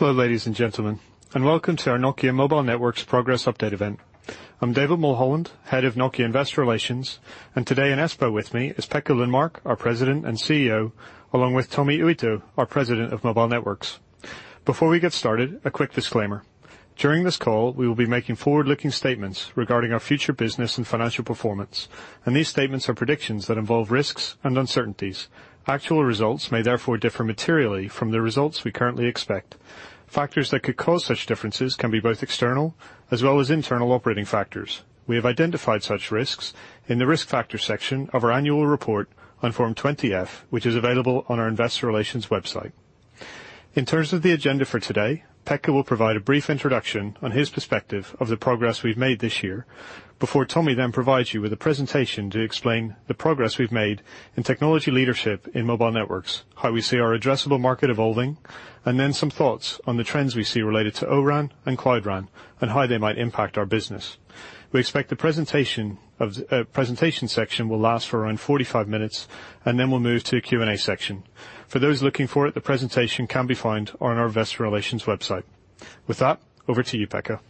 Hello, ladies and gentlemen, and welcome to our Nokia Mobile Networks Progress Update event. I'm David Mulholland, Head of Nokia Investor Relations, and today in Espoo with me is Pekka Lundmark, our President and CEO, along with Tommi Uitto, our President of Mobile Networks. Before we get started, a quick disclaimer: During this call, we will be making forward-looking statements regarding our future business and financial performance, and these statements are predictions that involve risks and uncertainties. Actual results may therefore differ materially from the results we currently expect. Factors that could cause such differences can be both external as well as internal operating factors. We have identified such risks in the Risk Factors section of our annual report on Form 20-F, which is available on our investor relations website. In terms of the agenda for today, Pekka will provide a brief introduction on his perspective of the progress we've made this year before Tommi then provides you with a presentation to explain the progress we've made in technology leadership in Mobile Networks, how we see our addressable market evolving, and then some thoughts on the trends we see related to O-RAN and Cloud RAN and how they might impact our business. We expect the presentation section will last for around 45 minutes, and then we'll move to a Q and A section. For those looking for it, the presentation can be found on our investor relations website. With that, over to you, Pekka.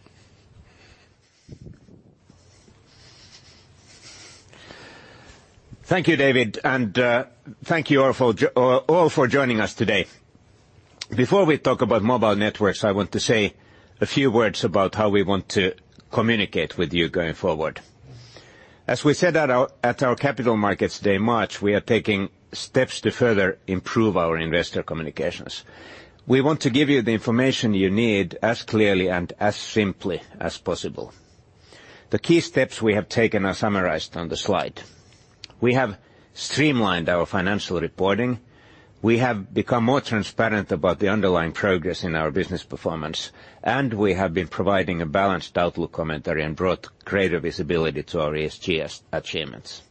Thank you, David, and thank you all for joining us today. Before we talk about Mobile Networks, I want to say a few words about how we want to communicate with you going forward. As we said at our Capital Markets Day in March, we are taking steps to further improve our investor communications. We want to give you the information you need as clearly and as simply as possible. The key steps we have taken are summarized on the slide. We have streamlined our financial reporting. We have become more transparent about the underlying progress in our business performance, and we have been providing a balanced outlook commentary and brought greater visibility to our ESG achievements.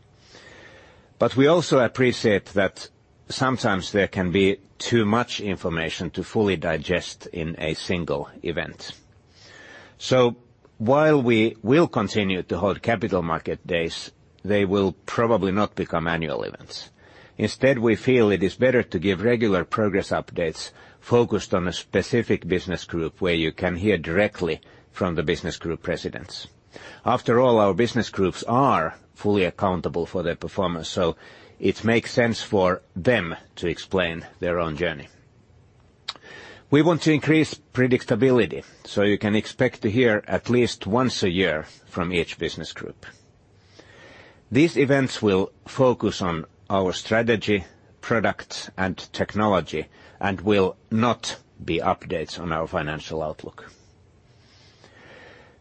We also appreciate that sometimes there can be too much information to fully digest in a single event. While we will continue to hold capital market days, they will probably not become annual events. Instead, we feel it is better to give regular progress updates focused on a specific business group where you can hear directly from the business group presidents. After all, our business groups are fully accountable for their performance, so it makes sense for them to explain their own journey. We want to increase predictability, so you can expect to hear at least once a year from each business group. These events will focus on our strategy, products, and technology and will not be updates on our financial outlook.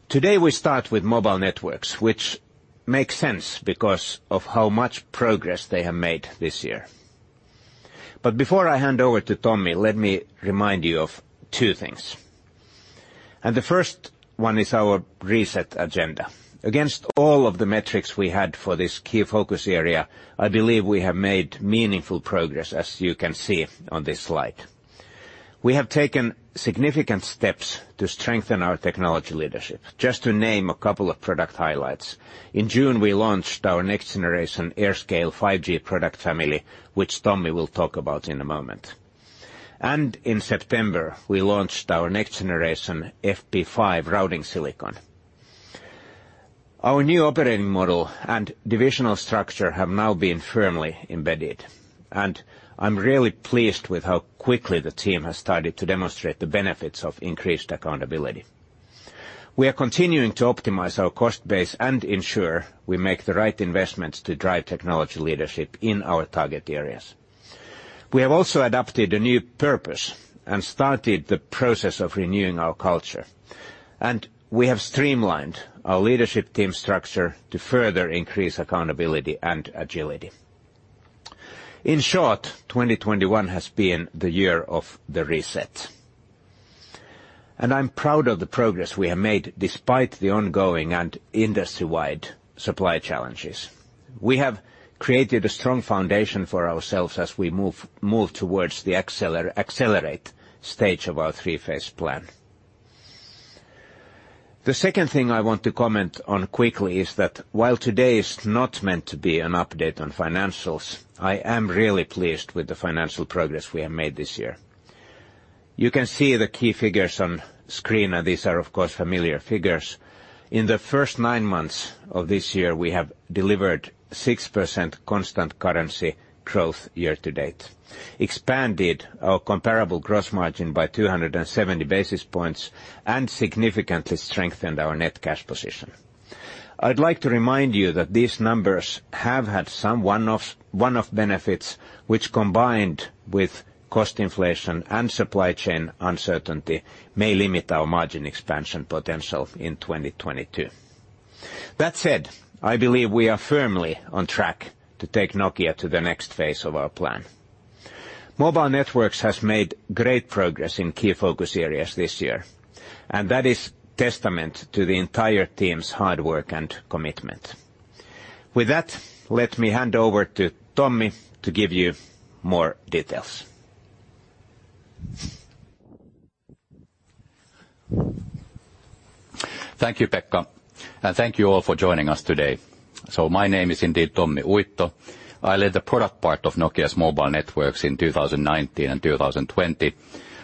Today, we start with Mobile Networks, which makes sense because of how much progress they have made this year. But before I hand over to Tommi, let me remind you of two things. The first one is our reset agenda. Against all of the metrics we had for this key focus area, I believe we have made meaningful progress, as you can see on this slide. We have taken significant steps to strengthen our technology leadership. Just to name a couple of product highlights, in June, we launched our next-generation AirScale 5G product family, which Tommi will talk about in a moment. In September, we launched our next-generation FP5 routing silicon. Our new operating model and divisional structure have now been firmly embedded, and I'm really pleased with how quickly the team has started to demonstrate the benefits of increased accountability. We are continuing to optimize our cost base and ensure we make the right investments to drive technology leadership in our target areas. We have also adopted a new purpose and started the process of renewing our culture, and we have streamlined our leadership team structure to further increase accountability and agility. In short, 2021 has been the year of the reset. I'm proud of the progress we have made despite the ongoing and industry-wide supply challenges. We have created a strong foundation for ourselves as we move towards the accelerate stage of our three-phase plan. The second thing I want to comment on quickly is that while today is not meant to be an update on financials, I am really pleased with the financial progress we have made this year. You can see the key figures on screen. These are, of course, familiar figures. In the first nine months of this year, we have delivered 6% constant currency growth year to date, expanded our comparable gross margin by 270 basis points, and significantly strengthened our net cash position. I'd like to remind you that these numbers have had some one-offs, one-off benefits, which combined with cost inflation and supply chain uncertainty, may limit our margin expansion potential in 2022. That said, I believe we are firmly on track to take Nokia to the next phase of our plan. Mobile Networks has made great progress in key focus areas this year, and that is testament to the entire team's hard work and commitment. With that, let me hand over to Tommi to give you more details. Thank you, Pekka. Thank you all for joining us today. My name is indeed Tommi Uitto. I led the product part of Nokia's Mobile Networks in 2019 and 2020.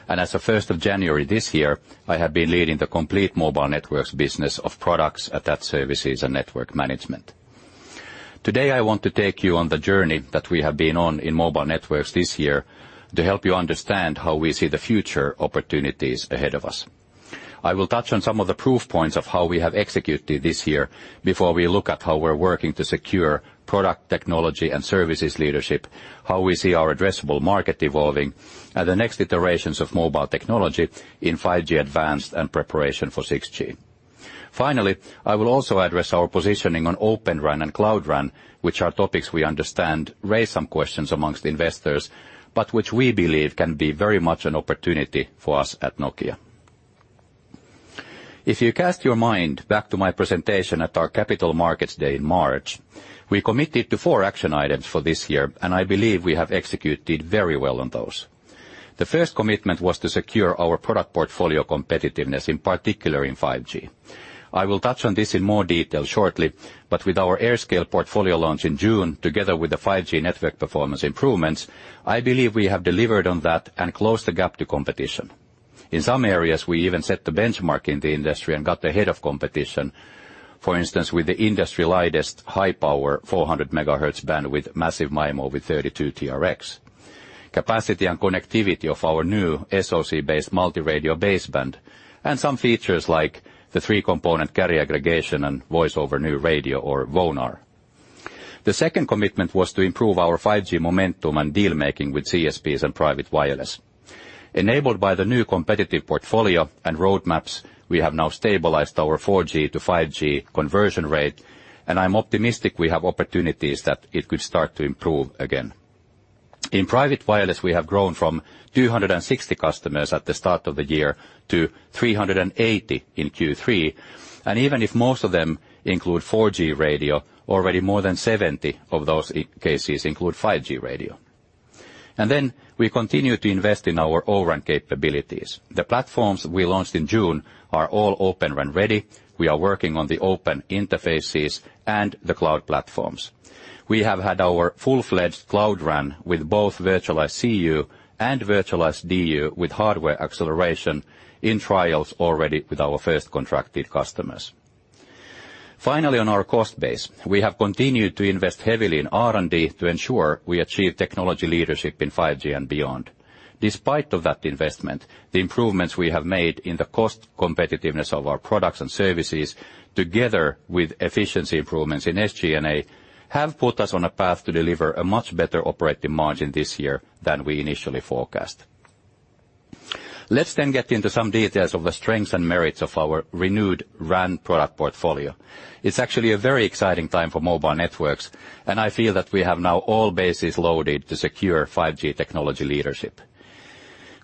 As of 1st January this year, I have been leading the complete Mobile Networks business of products, R&D, services and network management. Today I want to take you on the journey that we have been on in Mobile Networks this year to help you understand how we see the future opportunities ahead of us. I will touch on some of the proof points of how we have executed this year before we look at how we're working to secure product technology and services leadership, how we see our addressable market evolving, and the next iterations of mobile technology in 5G Advanced and preparation for 6G. Finally, I will also address our positioning on Open RAN and Cloud RAN, which are topics we understand raise some questions among investors, but which we believe can be very much an opportunity for us at Nokia. If you cast your mind back to my presentation at our Capital Markets Day in March, we committed to four action items for this year, and I believe we have executed very well on those. The first commitment was to secure our product portfolio competitiveness, in particular in 5G. I will touch on this in more detail shortly, but with our AirScale portfolio launch in June, together with the 5G network performance improvements, I believe we have delivered on that and closed the gap to competition. In some areas, we even set the benchmark in the industry and got ahead of competition. For instance, with the industry's lightest high power 400 MHz bandwidth Massive MIMO with 32 TRX, capacity and connectivity of our new SoC-based multi-radio baseband, and some features like the 3-component carrier aggregation and Voice over New Radio or VoNR. The second commitment was to improve our 5G momentum and deal-making with CSPs and private wireless. Enabled by the new competitive portfolio and roadmaps, we have now stabilized our 4G to 5G conversion rate, and I'm optimistic we have opportunities that it could start to improve again. In private wireless, we have grown from 260 customers at the start of the year to 380 in Q3. Even if most of them include 4G radio, already more than 70 of those cases include 5G radio. Then we continue to invest in our O-RAN capabilities. The platforms we launched in June are all Open RAN ready. We are working on the open interfaces and the cloud platforms. We have had our full-fledged Cloud RAN with both virtualized CU and virtualized DU with hardware acceleration in trials already with our first contracted customers. Finally, on our cost base, we have continued to invest heavily in R&D to ensure we achieve technology leadership in 5G and beyond. Despite that investment, the improvements we have made in the cost competitiveness of our products and services, together with efficiency improvements in SG&A, have put us on a path to deliver a much better operating margin this year than we initially forecast. Let's get into some details of the strengths and merits of our renewed RAN product portfolio. It's actually a very exciting time for mobile networks, and I feel that we have now all bases loaded to secure 5G technology leadership.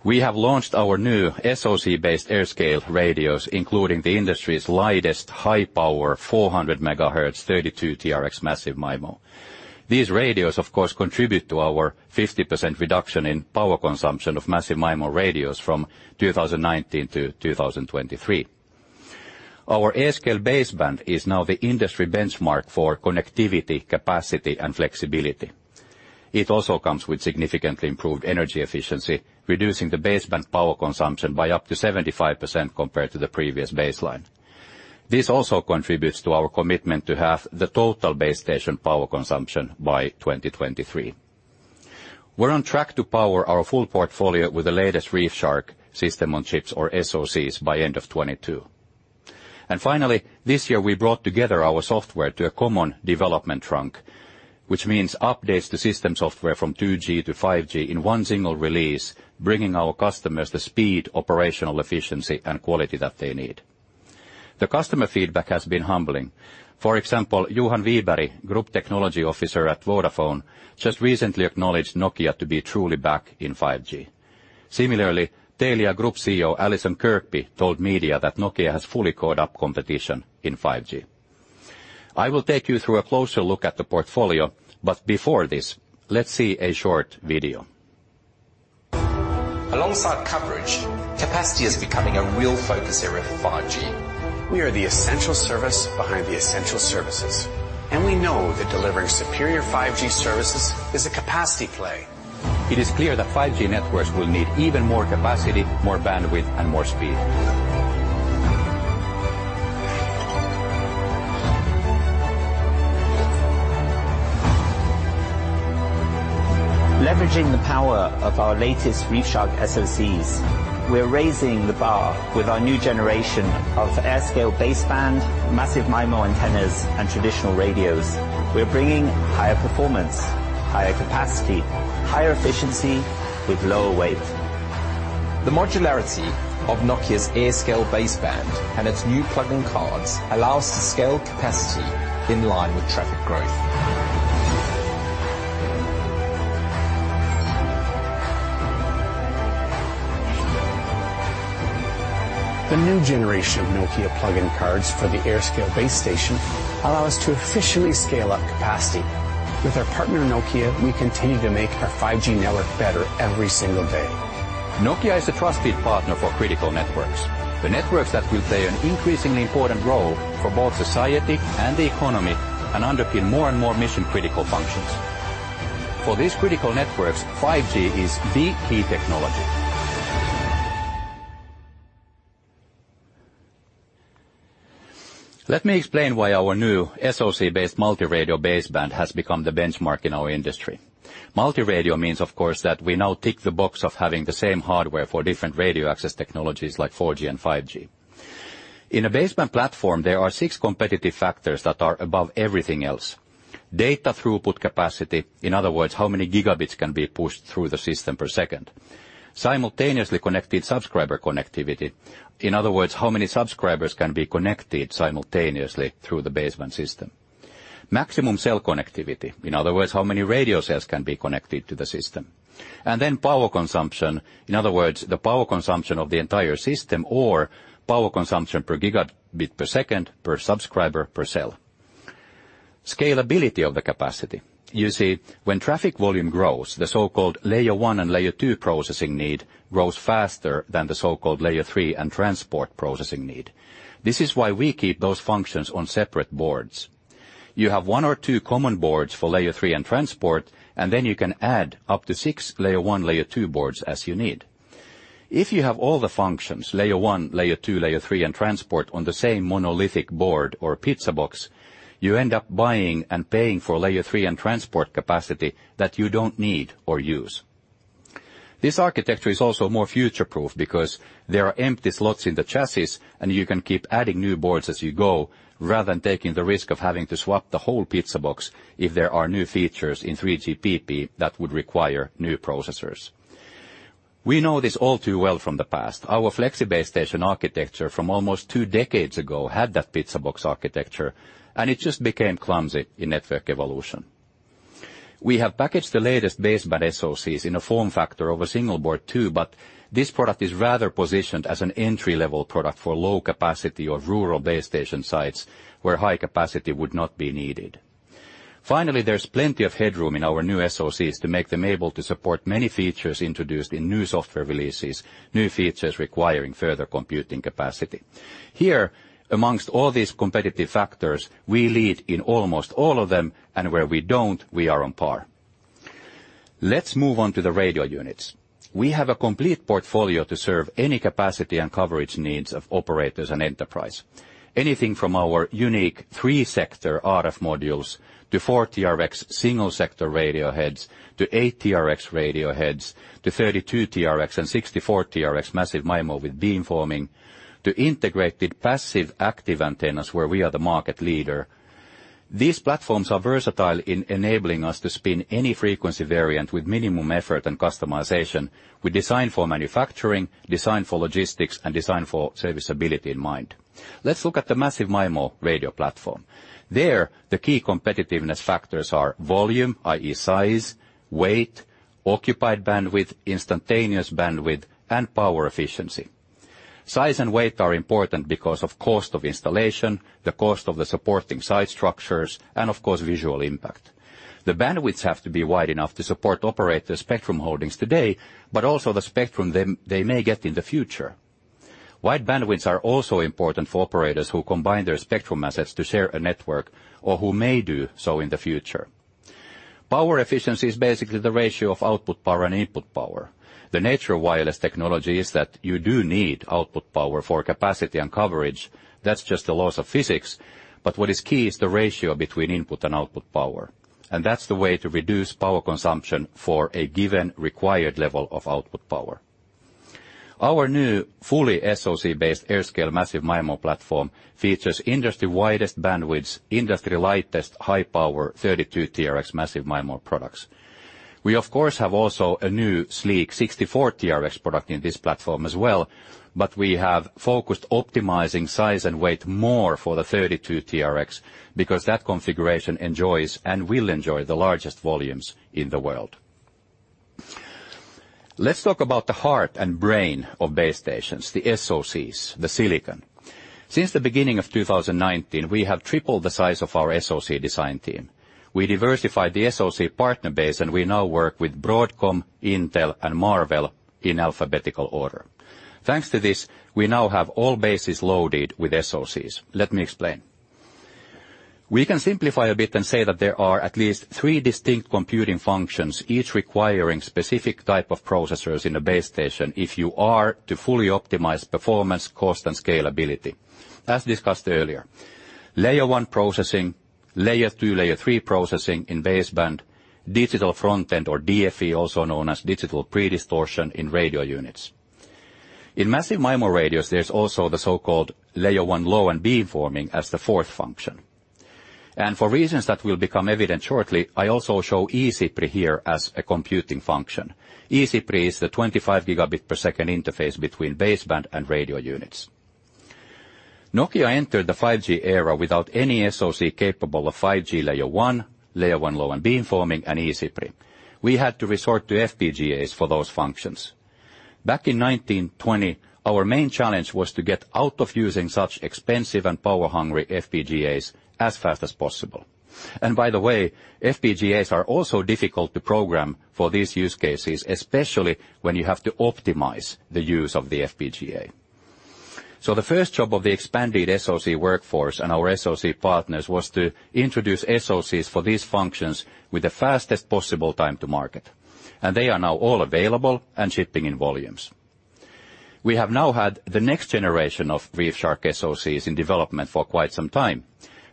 We have launched our new SoC-based AirScale radios, including the industry's lightest high power 400 MHz 32 TRX Massive MIMO. These radios, of course, contribute to our 50% reduction in power consumption of Massive MIMO radios from 2019 to 2023. Our AirScale baseband is now the industry benchmark for connectivity, capacity, and flexibility. It also comes with significantly improved energy efficiency, reducing the baseband power consumption by up to 75% compared to the previous baseline. This also contributes to our commitment to have the total base station power consumption by 2023. We're on track to power our full portfolio with the latest ReefShark System-on-Chips or SoCs by end of 2022. Finally, this year we brought together our software to a common development trunk, which means updates to system software from 2G to 5G in one single release, bringing our customers the speed, operational efficiency, and quality that they need. The customer feedback has been humbling. For example, Johan Wibergh, Group Technology Officer at Vodafone, just recently acknowledged Nokia to be truly back in 5G. Similarly, Telia Company CEO Allison Kirkby told media that Nokia has fully caught up competition in 5G. I will take you through a closer look at the portfolio, but before this, let's see a short video. Alongside coverage, capacity is becoming a real focus area for 5G. We are the essential service behind the essential services, and we know that delivering superior 5G services is a capacity play. It is clear that 5G networks will need even more capacity, more bandwidth, and more speed. Leveraging the power of our latest ReefShark SoCs, we're raising the bar with our new generation of AirScale baseband, Massive MIMO antennas, and traditional radios. We're bringing higher performance, higher capacity, higher efficiency with lower weight. The modularity of Nokia's AirScale baseband and its new plug-in cards allow us to scale capacity in line with traffic growth. The new generation of Nokia plug-in cards for the AirScale base station allow us to efficiently scale up capacity. With our partner Nokia, we continue to make our 5G network better every single day. Nokia is a trusted partner for critical networks. The networks that will play an increasingly important role for both society and the economy, and underpin more and more mission-critical functions. For these critical networks, 5G is the key technology. Let me explain why our new SoC-based multi-radio baseband has become the benchmark in our industry. Multi-radio means, of course, that we now tick the box of having the same hardware for different radio access technologies like 4G and 5G. In a baseband platform, there are six competitive factors that are above everything else. Data throughput capacity, in other words, how many gigabits can be pushed through the system per second. Simultaneously connected subscriber connectivity, in other words, how many subscribers can be connected simultaneously through the baseband system. Maximum cell connectivity, in other words, how many radio cells can be connected to the system. Power consumption, in other words, the power consumption of the entire system or power consumption per gigabit per second per subscriber per cell. Scalability of the capacity. You see, when traffic volume grows, the so-called layer one and layer two processing need grows faster than the so-called layer three and transport processing need. This is why we keep those functions on separate boards. You have one or two common boards for layer three and transport, and then you can add up to six layer one, layer two boards as you need. If you have all the functions, layer one, layer two, layer three, and transport on the same monolithic board or pizza box, you end up buying and paying for layer three and transport capacity that you don't need or use. This architecture is also more future-proof because there are empty slots in the chassis, and you can keep adding new boards as you go, rather than taking the risk of having to swap the whole pizza box if there are new features in 3GPP that would require new processors. We know this all too well from the past. Our Flexi base station architecture from almost two decades ago had that pizza box architecture, and it just became clumsy in network evolution. We have packaged the latest baseband SoCs in a form factor of a single board too, but this product is rather positioned as an entry-level product for low capacity or rural base station sites where high capacity would not be needed. Finally, there's plenty of headroom in our new SoCs to make them able to support many features introduced in new software releases, new features requiring further computing capacity. Here, among all these competitive factors, we lead in almost all of them, and where we don't, we are on par. Let's move on to the radio units. We have a complete portfolio to serve any capacity and coverage needs of operators and enterprise. Anything from our unique 3-sector RF modules to 4 TRX single-sector radio heads to 8 TRX radio heads to 32 TRX and 64 TRX Massive MIMO with beamforming to integrated passive active antennas where we are the market leader. These platforms are versatile in enabling us to spin any frequency variant with minimum effort and customization with design for manufacturing, design for logistics, and design for serviceability in mind. Let's look at the Massive MIMO radio platform. There, the key competitiveness factors are volume, i.e., size, weight, occupied bandwidth, instantaneous bandwidth, and power efficiency. Size and weight are important because of cost of installation, the cost of the supporting site structures, and of course, visual impact. The bandwidths have to be wide enough to support operator spectrum holdings today, but also the spectrum they may get in the future. Wide bandwidths are also important for operators who combine their spectrum assets to share a network or who may do so in the future. Power efficiency is basically the ratio of output power and input power. The nature of wireless technology is that you do need output power for capacity and coverage. That's just the laws of physics. What is key is the ratio between input and output power, and that's the way to reduce power consumption for a given required level of output power. Our new fully SoC-based AirScale Massive MIMO platform features industry-widest bandwidths, industry lightest high-power 32 TRX Massive MIMO products. We, of course, have also a new sleek 64 TRX product in this platform as well, but we have focused optimizing size and weight more for the 32 TRX because that configuration enjoys and will enjoy the largest volumes in the world. Let's talk about the heart and brain of base stations, the SoCs, the silicon. Since the beginning of 2019, we have tripled the size of our SoC design team. We diversified the SoC partner base, and we now work with Broadcom, Intel, and Marvell in alphabetical order. Thanks to this, we now have all bases loaded with SoCs. Let me explain. We can simplify a bit and say that there are at least three distinct computing functions, each requiring specific type of processors in a base station if you are to fully optimize performance, cost, and scalability. As discussed earlier, Layer 1 processing, Layer 2, Layer 3 processing in baseband, digital front-end or DFE, also known as digital predistortion in radio units. In Massive MIMO radios, there's also the so-called Layer 1 low and beamforming as the fourth function. For reasons that will become evident shortly, I also show eCPRI here as a computing function. eCPRI is the 25 Gbps interface between baseband and radio units. Nokia entered the 5G era without any SoC capable of 5G Layer 1, Layer 1 low and beamforming, and eCPRI. We had to resort to FPGAs for those functions. Back in 2020, our main challenge was to get out of using such expensive and power-hungry FPGAs as fast as possible. By the way, FPGAs are also difficult to program for these use cases, especially when you have to optimize the use of the FPGA. The first job of the expanded SoC workforce and our SoC partners was to introduce SoCs for these functions with the fastest possible time to market, and they are now all available and shipping in volumes. We have now had the next generation of ReefShark SoCs in development for quite some time.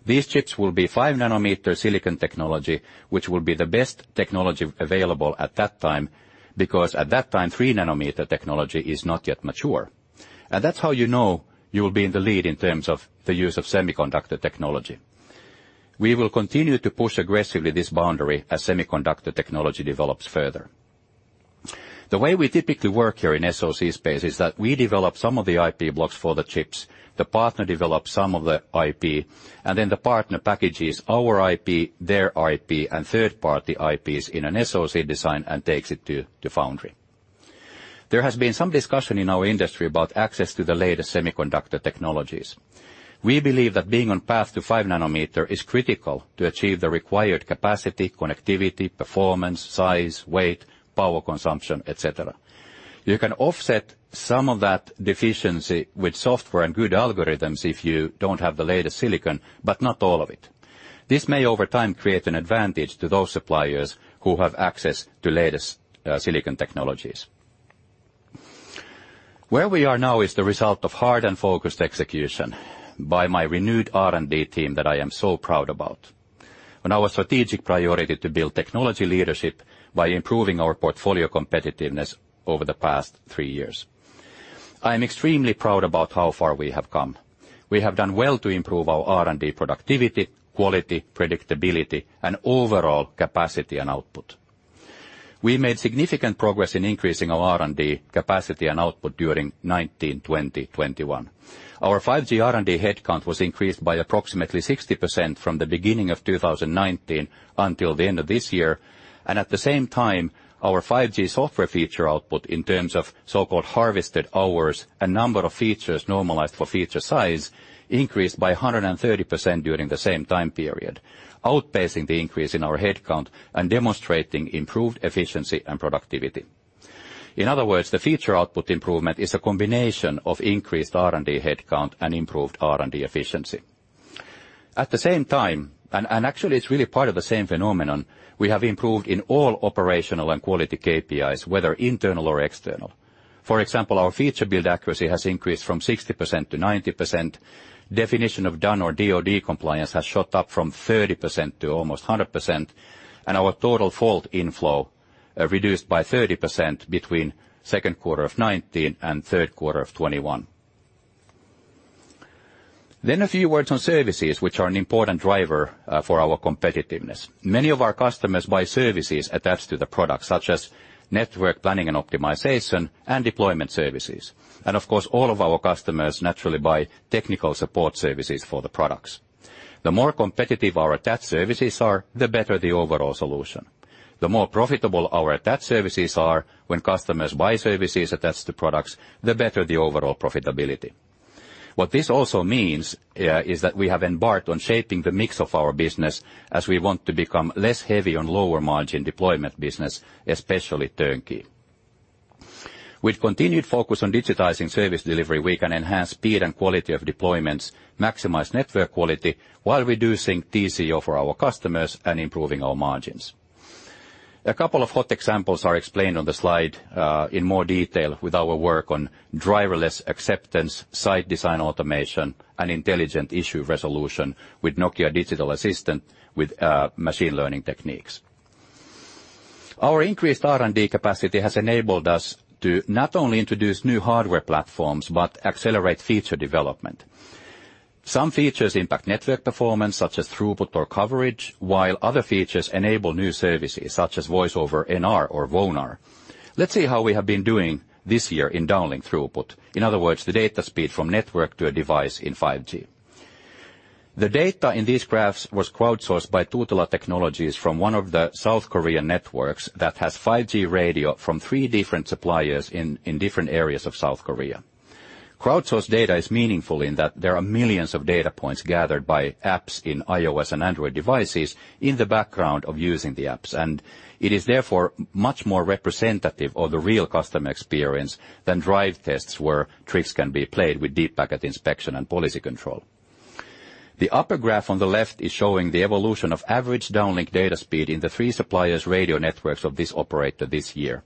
These chips will be 5 nanometer silicon technology, which will be the best technology available at that time, because at that time, 3 nanometer technology is not yet mature. That's how you know you will be in the lead in terms of the use of semiconductor technology. We will continue to push aggressively this boundary as semiconductor technology develops further. The way we typically work here in SoC space is that we develop some of the IP blocks for the chips, the partner develops some of the IP, and then the partner packages our IP, their IP, and third-party IPs in an SoC design and takes it to foundry. There has been some discussion in our industry about access to the latest semiconductor technologies. We believe that being on path to 5 nanometer is critical to achieve the required capacity, connectivity, performance, size, weight, power consumption, et cetera. You can offset some of that deficiency with software and good algorithms if you don't have the latest silicon, but not all of it. This may over time create an advantage to those suppliers who have access to latest silicon technologies. Where we are now is the result of hard and focused execution by my renewed R&D team that I am so proud about. On our strategic priority to build technology leadership by improving our portfolio competitiveness over the past three years, I am extremely proud about how far we have come. We have done well to improve our R&D productivity, quality, predictability, and overall capacity and output. We made significant progress in increasing our R&D capacity and output during 2019, 2020, 2021. Our 5G R&D headcount was increased by approximately 60% from the beginning of 2019 until the end of this year. At the same time, our 5G software feature output in terms of so-called harvested hours and number of features normalized for feature size increased by 130% during the same time period, outpacing the increase in our headcount and demonstrating improved efficiency and productivity. In other words, the feature output improvement is a combination of increased R&D headcount and improved R&D efficiency. At the same time, actually it's really part of the same phenomenon, we have improved in all operational and quality KPIs, whether internal or external. For example, our feature build accuracy has increased from 60% to 90%. Definition of Done or DoD compliance has shot up from 30% to almost 100%, and our total fault inflow reduced by 30% between second quarter of 2019 and third quarter of 2021. A few words on services which are an important driver for our competitiveness. Many of our customers buy services attached to the products such as network planning and optimization and deployment services. Of course, all of our customers naturally buy technical support services for the products. The more competitive our attached services are, the better the overall solution. The more profitable our attached services are when customers buy services attached to products, the better the overall profitability. What this also means is that we have embarked on shaping the mix of our business as we want to become less heavy on lower margin deployment business, especially turnkey. With continued focus on digitizing service delivery, we can enhance speed and quality of deployments, maximize network quality while reducing TCO for our customers and improving our margins. A couple of hot examples are explained on the slide, in more detail with our work on driverless acceptance, site design automation, and intelligent issue resolution with Nokia Digital Assistant with, machine learning techniques. Our increased R&D capacity has enabled us to not only introduce new hardware platforms, but accelerate feature development. Some features impact network performance, such as throughput or coverage, while other features enable new services such as voice over NR or VoNR. Let's see how we have been doing this year in downlink throughput. In other words, the data speed from network to a device in 5G. The data in these graphs was crowdsourced by Tutela Technologies from one of the South Korean networks that has 5G radio from three different suppliers in different areas of South Korea. Crowdsourced data is meaningful in that there are millions of data points gathered by apps in iOS and Android devices in the background of using the apps, and it is therefore much more representative of the real customer experience than drive tests where tricks can be played with deep packet inspection and policy control. The upper graph on the left is showing the evolution of average downlink data speed in the three suppliers radio networks of this operator this year.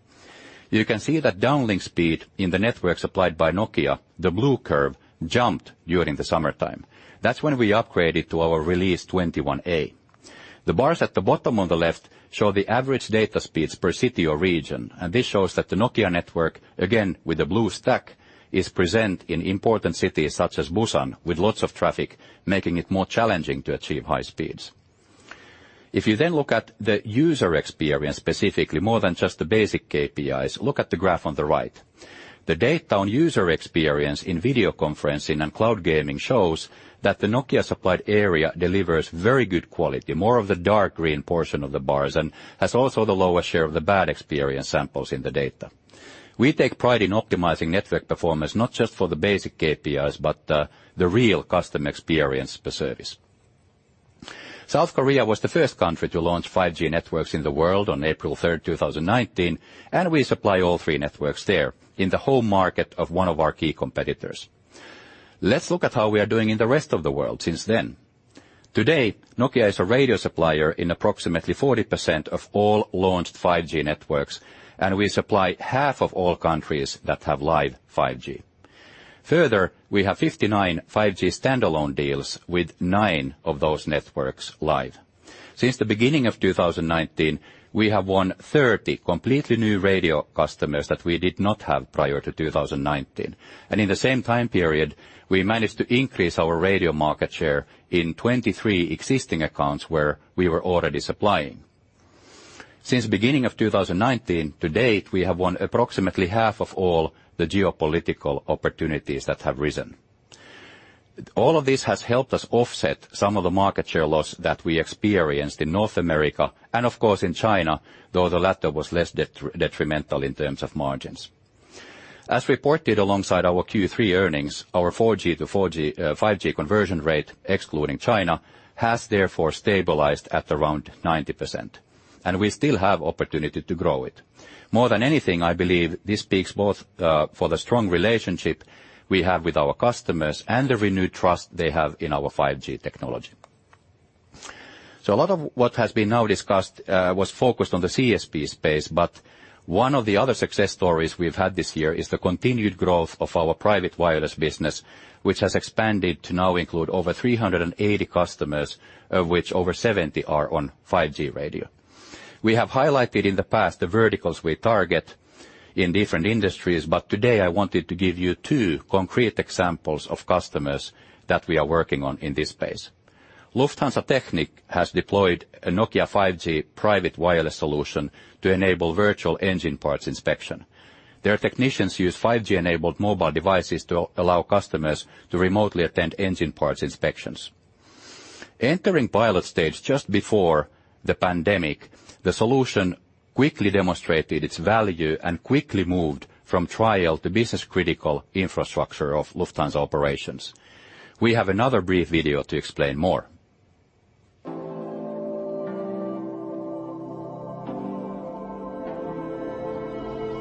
You can see that downlink speed in the network supplied by Nokia, the blue curve, jumped during the summertime. That's when we upgraded to our release 21A. The bars at the bottom on the left show the average data speeds per city or region, and this shows that the Nokia network, again with the blue stack, is present in important cities such as Busan with lots of traffic, making it more challenging to achieve high speeds. If you then look at the user experience specifically more than just the basic KPIs, look at the graph on the right. The data on user experience in video conferencing and cloud gaming shows that the Nokia supplied area delivers very good quality, more of the dark green portion of the bars, and has also the lowest share of the bad experience samples in the data. We take pride in optimizing network performance, not just for the basic KPIs, but the real customer experience per service. South Korea was the first country to launch 5G networks in the world on April 3rd, 2019, and we supply all three networks there in the home market of one of our key competitors. Let's look at how we are doing in the rest of the world since then. Today, Nokia is a radio supplier in approximately 40% of all launched 5G networks, and we supply half of all countries that have live 5G. Further, we have 59 5G standalone deals with nine of those networks live. Since the beginning of 2019, we have won 30 completely new radio customers that we did not have prior to 2019. In the same time period, we managed to increase our radio market share in 23 existing accounts where we were already supplying. Since the beginning of 2019 to date, we have won approximately half of all the geopolitical opportunities that have arisen. All of this has helped us offset some of the market share loss that we experienced in North America and of course in China, though the latter was less detrimental in terms of margins. As reported alongside our Q3 earnings, our 4G to 5G conversion rate, excluding China, has therefore stabilized at around 90%, and we still have opportunity to grow it. More than anything, I believe this speaks both for the strong relationship we have with our customers and the renewed trust they have in our 5G technology. A lot of what has been now discussed was focused on the CSP space, but one of the other success stories we've had this year is the continued growth of our private wireless business, which has expanded to now include over 380 customers, of which over 70 are on 5G radio. We have highlighted in the past the verticals we target in different industries, but today I wanted to give you two concrete examples of customers that we are working on in this space. Lufthansa Technik has deployed a Nokia 5G private wireless solution to enable virtual engine parts inspection. Their technicians use 5G-enabled mobile devices to allow customers to remotely attend engine parts inspections. Entering pilot stage just before the pandemic, the solution quickly demonstrated its value and quickly moved from trial to business-critical infrastructure of Lufthansa operations. We have another brief video to explain more.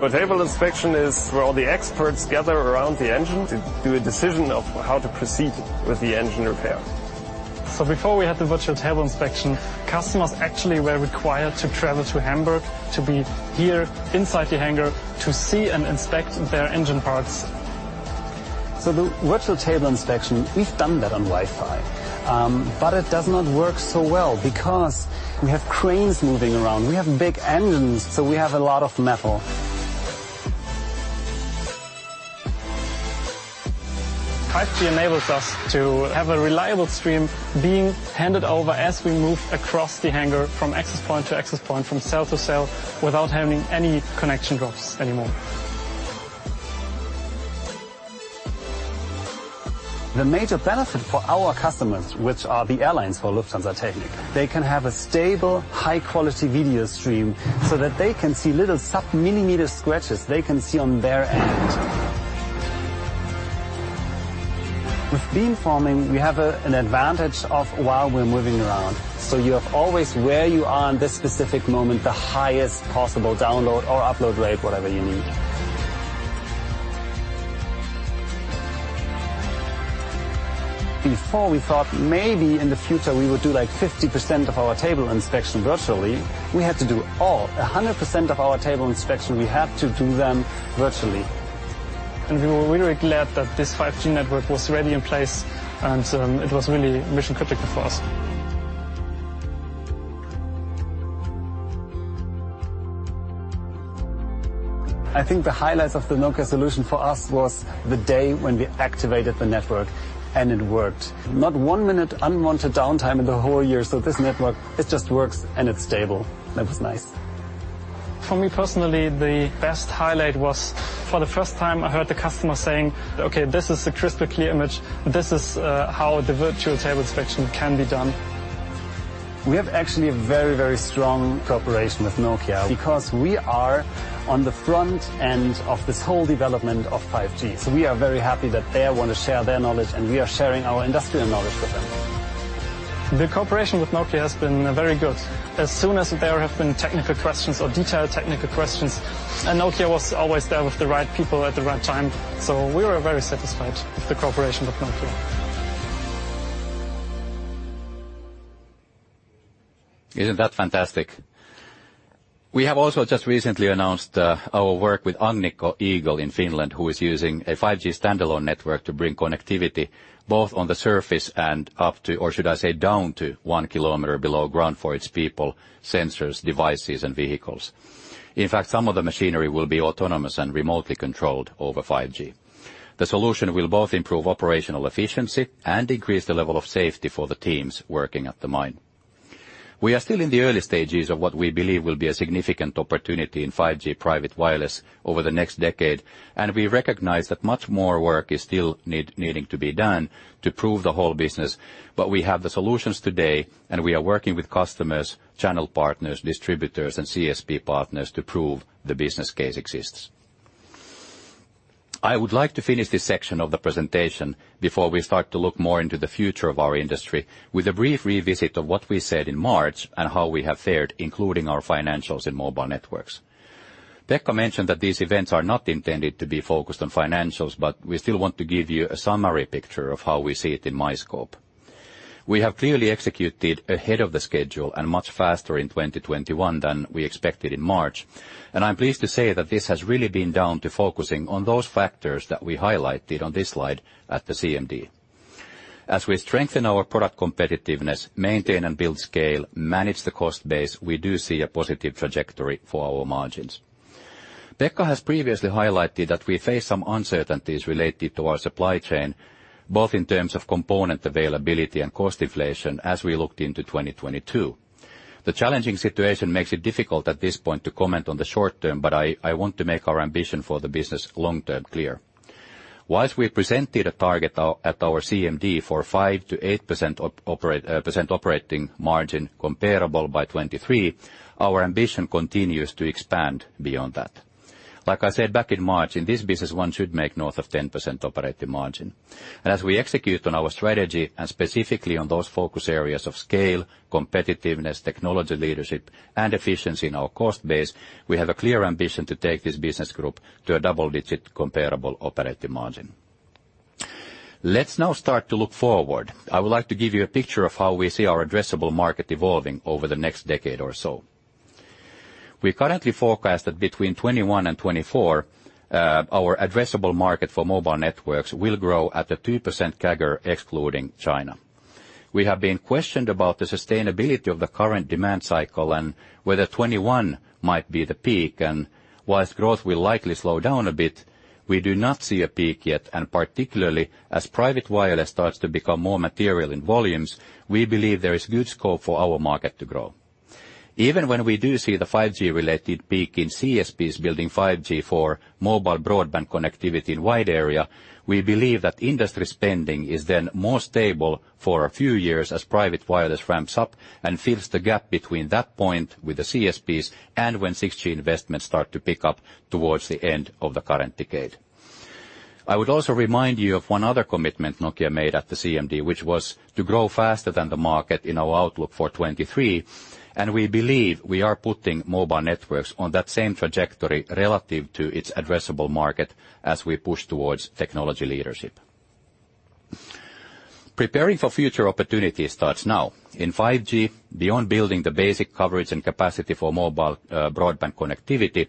A table inspection is where all the experts gather around the engine to make a decision on how to proceed with the engine repair. Before we had the virtual table inspection, customers actually were required to travel to Hamburg to be here inside the hangar to see and inspect their engine parts. The virtual table inspection, we've done that on Wi-Fi. It does not work so well because we have cranes moving around, we have big engines, so we have a lot of metal. 5G enables us to have a reliable stream being handed over as we move across the hangar from access point to access point, from cell to cell, without having any connection drops anymore. The major benefit for our customers, which are the airlines for Lufthansa Technik, they can have a stable, high-quality video stream so that they can see little sub-millimeter scratches, they can see on their end. With beamforming, we have an advantage while we're moving around. You have always, where you are in this specific moment, the highest possible download or upload rate, whatever you need. Before we thought maybe in the future we would do like 50% of our turbine inspection virtually. We had to do 100% of our turbine inspection, we had to do them virtually. We were really glad that this 5G network was already in place, and it was really mission-critical for us. I think the highlights of the Nokia solution for us was the day when we activated the network, and it worked. Not one minute unwanted downtime in the whole year, so this network, it just works, and it's stable. That was nice. For me personally, the best highlight was for the first time I heard the customer saying, "Okay, this is a crystal clear image. This is, how the virtual table inspection can be done. We have actually a very, very strong cooperation with Nokia because we are on the front end of this whole development of 5G. We are very happy that they want to share their knowledge, and we are sharing our industrial knowledge with them. The cooperation with Nokia has been very good. As soon as there have been technical questions or detailed technical questions, and Nokia was always there with the right people at the right time. We were very satisfied with the cooperation with Nokia. Isn't that fantastic? We have also just recently announced our work with Agnico Eagle in Finland, who is using a 5G standalone network to bring connectivity both on the surface and up to, or should I say down to one kilometer below ground for its people, sensors, devices, and vehicles. In fact, some of the machinery will be autonomous and remotely controlled over 5G. The solution will both improve operational efficiency and increase the level of safety for the teams working at the mine. We are still in the early stages of what we believe will be a significant opportunity in 5G private wireless over the next decade, and we recognize that much more work is still needing to be done to prove the whole business. We have the solutions today, and we are working with customers, channel partners, distributors, and CSP partners to prove the business case exists. I would like to finish this section of the presentation before we start to look more into the future of our industry with a brief revisit of what we said in March and how we have fared, including our financials in mobile networks. Pekka mentioned that these events are not intended to be focused on financials, but we still want to give you a summary picture of how we see it in my scope. We have clearly executed ahead of the schedule and much faster in 2021 than we expected in March. I'm pleased to say that this has really been down to focusing on those factors that we highlighted on this slide at the CMD. As we strengthen our product competitiveness, maintain and build scale, manage the cost base, we do see a positive trajectory for our margins. Pekka has previously highlighted that we face some uncertainties related to our supply chain, both in terms of component availability and cost inflation as we looked into 2022. The challenging situation makes it difficult at this point to comment on the short term, but I want to make our ambition for the business long-term clear. While we presented a target at our CMD for 5%-8% operating margin comparable by 2023, our ambition continues to expand beyond that. Like I said back in March, in this business, one should make north of 10% operating margin. As we execute on our strategy, and specifically on those focus areas of scale, competitiveness, technology leadership, and efficiency in our cost base, we have a clear ambition to take this business group to a double-digit comparable operating margin. Let's now start to look forward. I would like to give you a picture of how we see our addressable market evolving over the next decade or so. We currently forecast that between 2021 and 2024, our addressable market for Mobile Networks will grow at a 2% CAGR excluding China. We have been questioned about the sustainability of the current demand cycle and whether 2021 might be the peak. While growth will likely slow down a bit, we do not see a peak yet, and particularly as private wireless starts to become more material in volumes, we believe there is good scope for our market to grow. Even when we do see the 5G-related peak in CSPs building 5G for mobile broadband connectivity in wide area, we believe that industry spending is then more stable for a few years as private wireless ramps up and fills the gap between that point with the CSPs and when 6G investments start to pick up towards the end of the current decade. I would also remind you of one other commitment Nokia made at the CMD, which was to grow faster than the market in our outlook for 2023, and we believe we are putting Mobile Networks on that same trajectory relative to its addressable market as we push towards technology leadership. Preparing for future opportunities starts now. In 5G, beyond building the basic coverage and capacity for mobile broadband connectivity,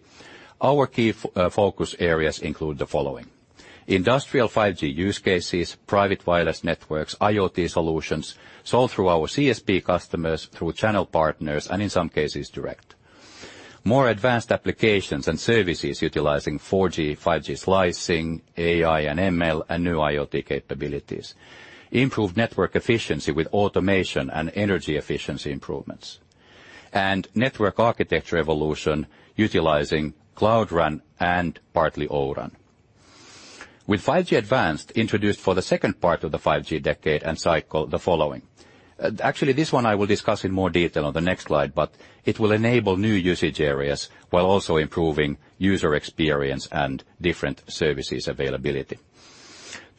our key focus areas include the following: industrial 5G use cases, private wireless networks, IoT solutions, sold through our CSP customers, through channel partners, and in some cases direct. More advanced applications and services utilizing 4G, 5G slicing, AI and ML, and new IoT capabilities. Improved network efficiency with automation and energy efficiency improvements. Network architecture evolution utilizing Cloud RAN and partly O-RAN. With 5G Advanced introduced for the second part of the 5G decade and cycle the following. Actually, this one I will discuss in more detail on the next slide, but it will enable new usage areas while also improving user experience and different services availability.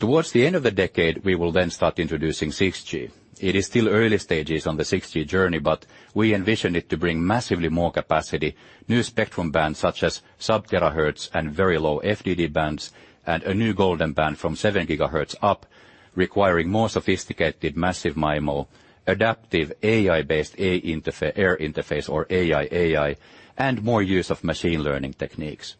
Towards the end of the decade, we will then start introducing 6G. It is still early stages on the 6G journey, but we envision it to bring massively more capacity, new spectrum bands such as sub-terahertz and very low FDD bands, and a new golden band from 7 GHz up, requiring more sophisticated Massive MIMO, adaptive AI-based air interface or AI air interface, and more use of machine learning techniques.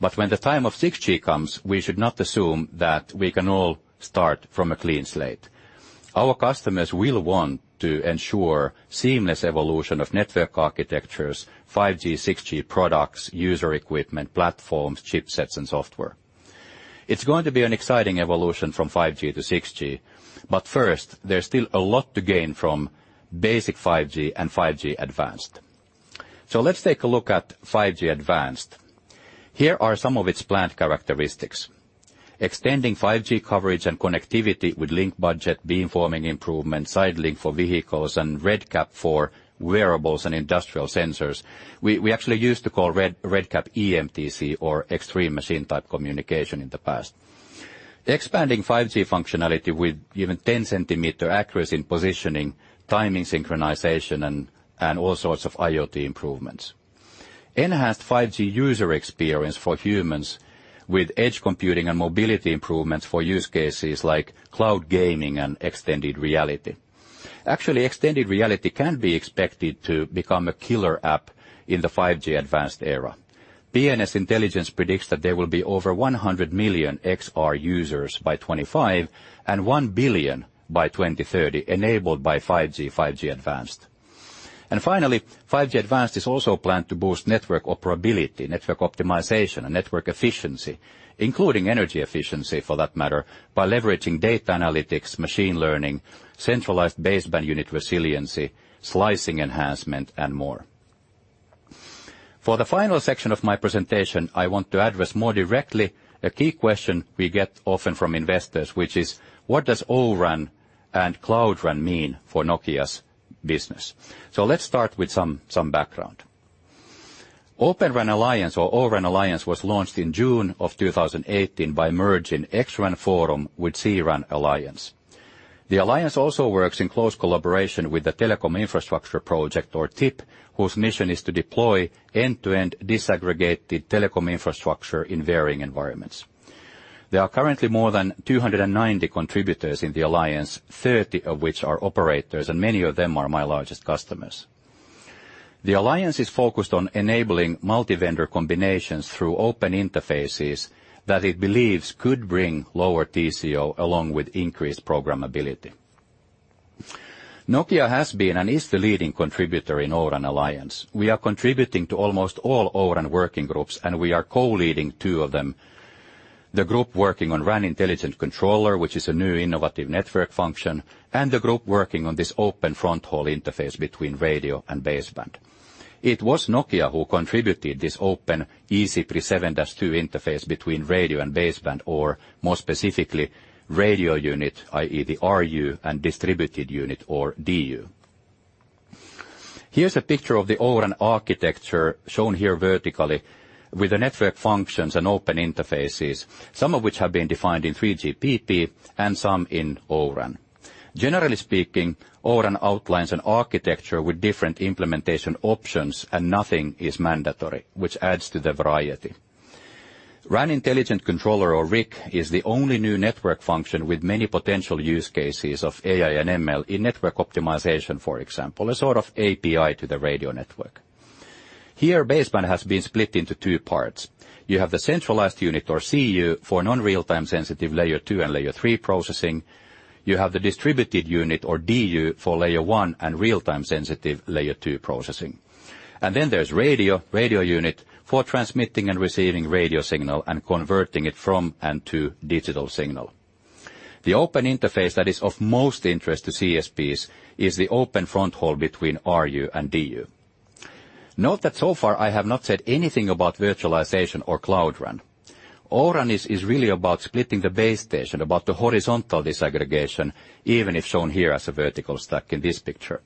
When the time of 6G comes, we should not assume that we can all start from a clean slate. Our customers will want to ensure seamless evolution of network architectures, 5G, 6G products, user equipment, platforms, chipsets and software. It's going to be an exciting evolution from 5G to 6G, but first, there's still a lot to gain from basic 5G and 5G Advanced. Let's take a look at 5G Advanced. Here are some of its planned characteristics. Extending 5G coverage and connectivity with link budget, beamforming improvements, side link for vehicles, and RedCap for wearables and industrial sensors. We actually used to call RedCap eMTC or Extreme Machine-Type Communication in the past. Expanding 5G functionality with even 10-centimeter accuracy in positioning, timing synchronization, and all sorts of IoT improvements. Enhanced 5G user experience for humans with edge computing and mobility improvements for use cases like cloud gaming and extended reality. Actually, extended reality can be expected to become a killer app in the 5G Advanced era. SNS Intelligence predicts that there will be over 100 million XR users by 2025 and 1 billion by 2030 enabled by 5G Advanced. Finally, 5G Advanced is also planned to boost network operability, network optimization, and network efficiency, including energy efficiency for that matter, by leveraging data analytics, machine learning, centralized baseband unit resiliency, slicing enhancement, and more. For the final section of my presentation, I want to address more directly a key question we get often from investors, which is, what does O-RAN and Cloud RAN mean for Nokia's business? Let's start with some background. O-RAN Alliance was launched in June of 2018 by merging xRAN Forum with C-RAN Alliance. The alliance also works in close collaboration with the Telecom Infrastructure Project, or TIP, whose mission is to deploy end-to-end disaggregated telecom infrastructure in varying environments. There are currently more than 290 contributors in the alliance, 30 of which are operators, and many of them are my largest customers. The alliance is focused on enabling multi-vendor combinations through open interfaces that it believes could bring lower TCO along with increased programmability. Nokia has been and is the leading contributor in O-RAN Alliance. We are contributing to almost all O-RAN working groups, and we are co-leading two of them. The group working on RAN Intelligent Controller, which is a new innovative network function, and the group working on this open fronthaul interface between radio and baseband. It was Nokia who contributed this open eCPRI 7-2 interface between radio and baseband, or more specifically, radio unit, i.e., the RU, and distributed unit or DU. Here's a picture of the O-RAN architecture shown here vertically with the network functions and open interfaces, some of which have been defined in 3GPP and some in O-RAN. Generally speaking, O-RAN outlines an architecture with different implementation options, and nothing is mandatory, which adds to the variety. RAN Intelligent Controller or RIC is the only new network function with many potential use cases of AI and ML in network optimization, for example, a sort of API to the radio network. Here, baseband has been split into two parts. You have the centralized unit or CU for non-real-time sensitive Layer two and Layer three processing. You have the distributed unit or DU for Layer one and real-time sensitive Layer two processing. Then there's radio unit for transmitting and receiving radio signal and converting it from and to digital signal. The open interface that is of most interest to CSPs is the open fronthaul between RU and DU. Note that so far I have not said anything about virtualization or Cloud RAN. O-RAN is really about splitting the base station, about the horizontal disaggregation, even if shown here as a vertical stack in this picture.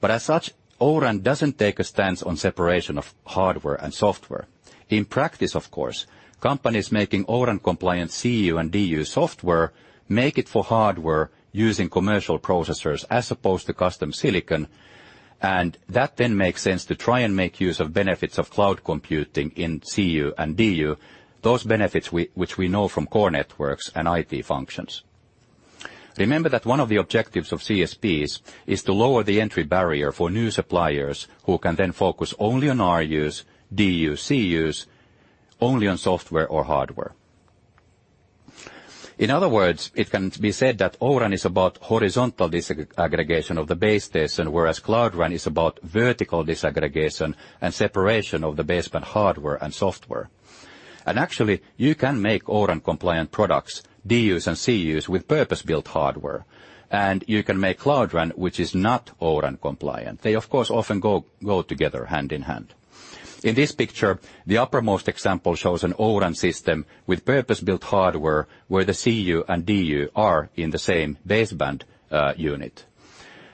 As such, O-RAN doesn't take a stance on separation of hardware and software. In practice, of course, companies making O-RAN compliant CU and DU software make it for hardware using commercial processors as opposed to custom silicon. That then makes sense to try and make use of benefits of cloud computing in CU and DU, those benefits, which we know from core networks and IT functions. Remember that one of the objectives of CSPs is to lower the entry barrier for new suppliers who can then focus only on RUs, DUs, CUs, only on software or hardware. In other words, it can be said that O-RAN is about horizontal disaggregation of the base station, whereas Cloud RAN is about vertical disaggregation and separation of the baseband hardware and software. Actually, you can make O-RAN compliant products, DUs and CUs, with purpose-built hardware. You can make Cloud RAN, which is not O-RAN compliant. They, of course, often go together hand in hand. In this picture, the uppermost example shows an O-RAN system with purpose-built hardware where the CU and DU are in the same baseband unit.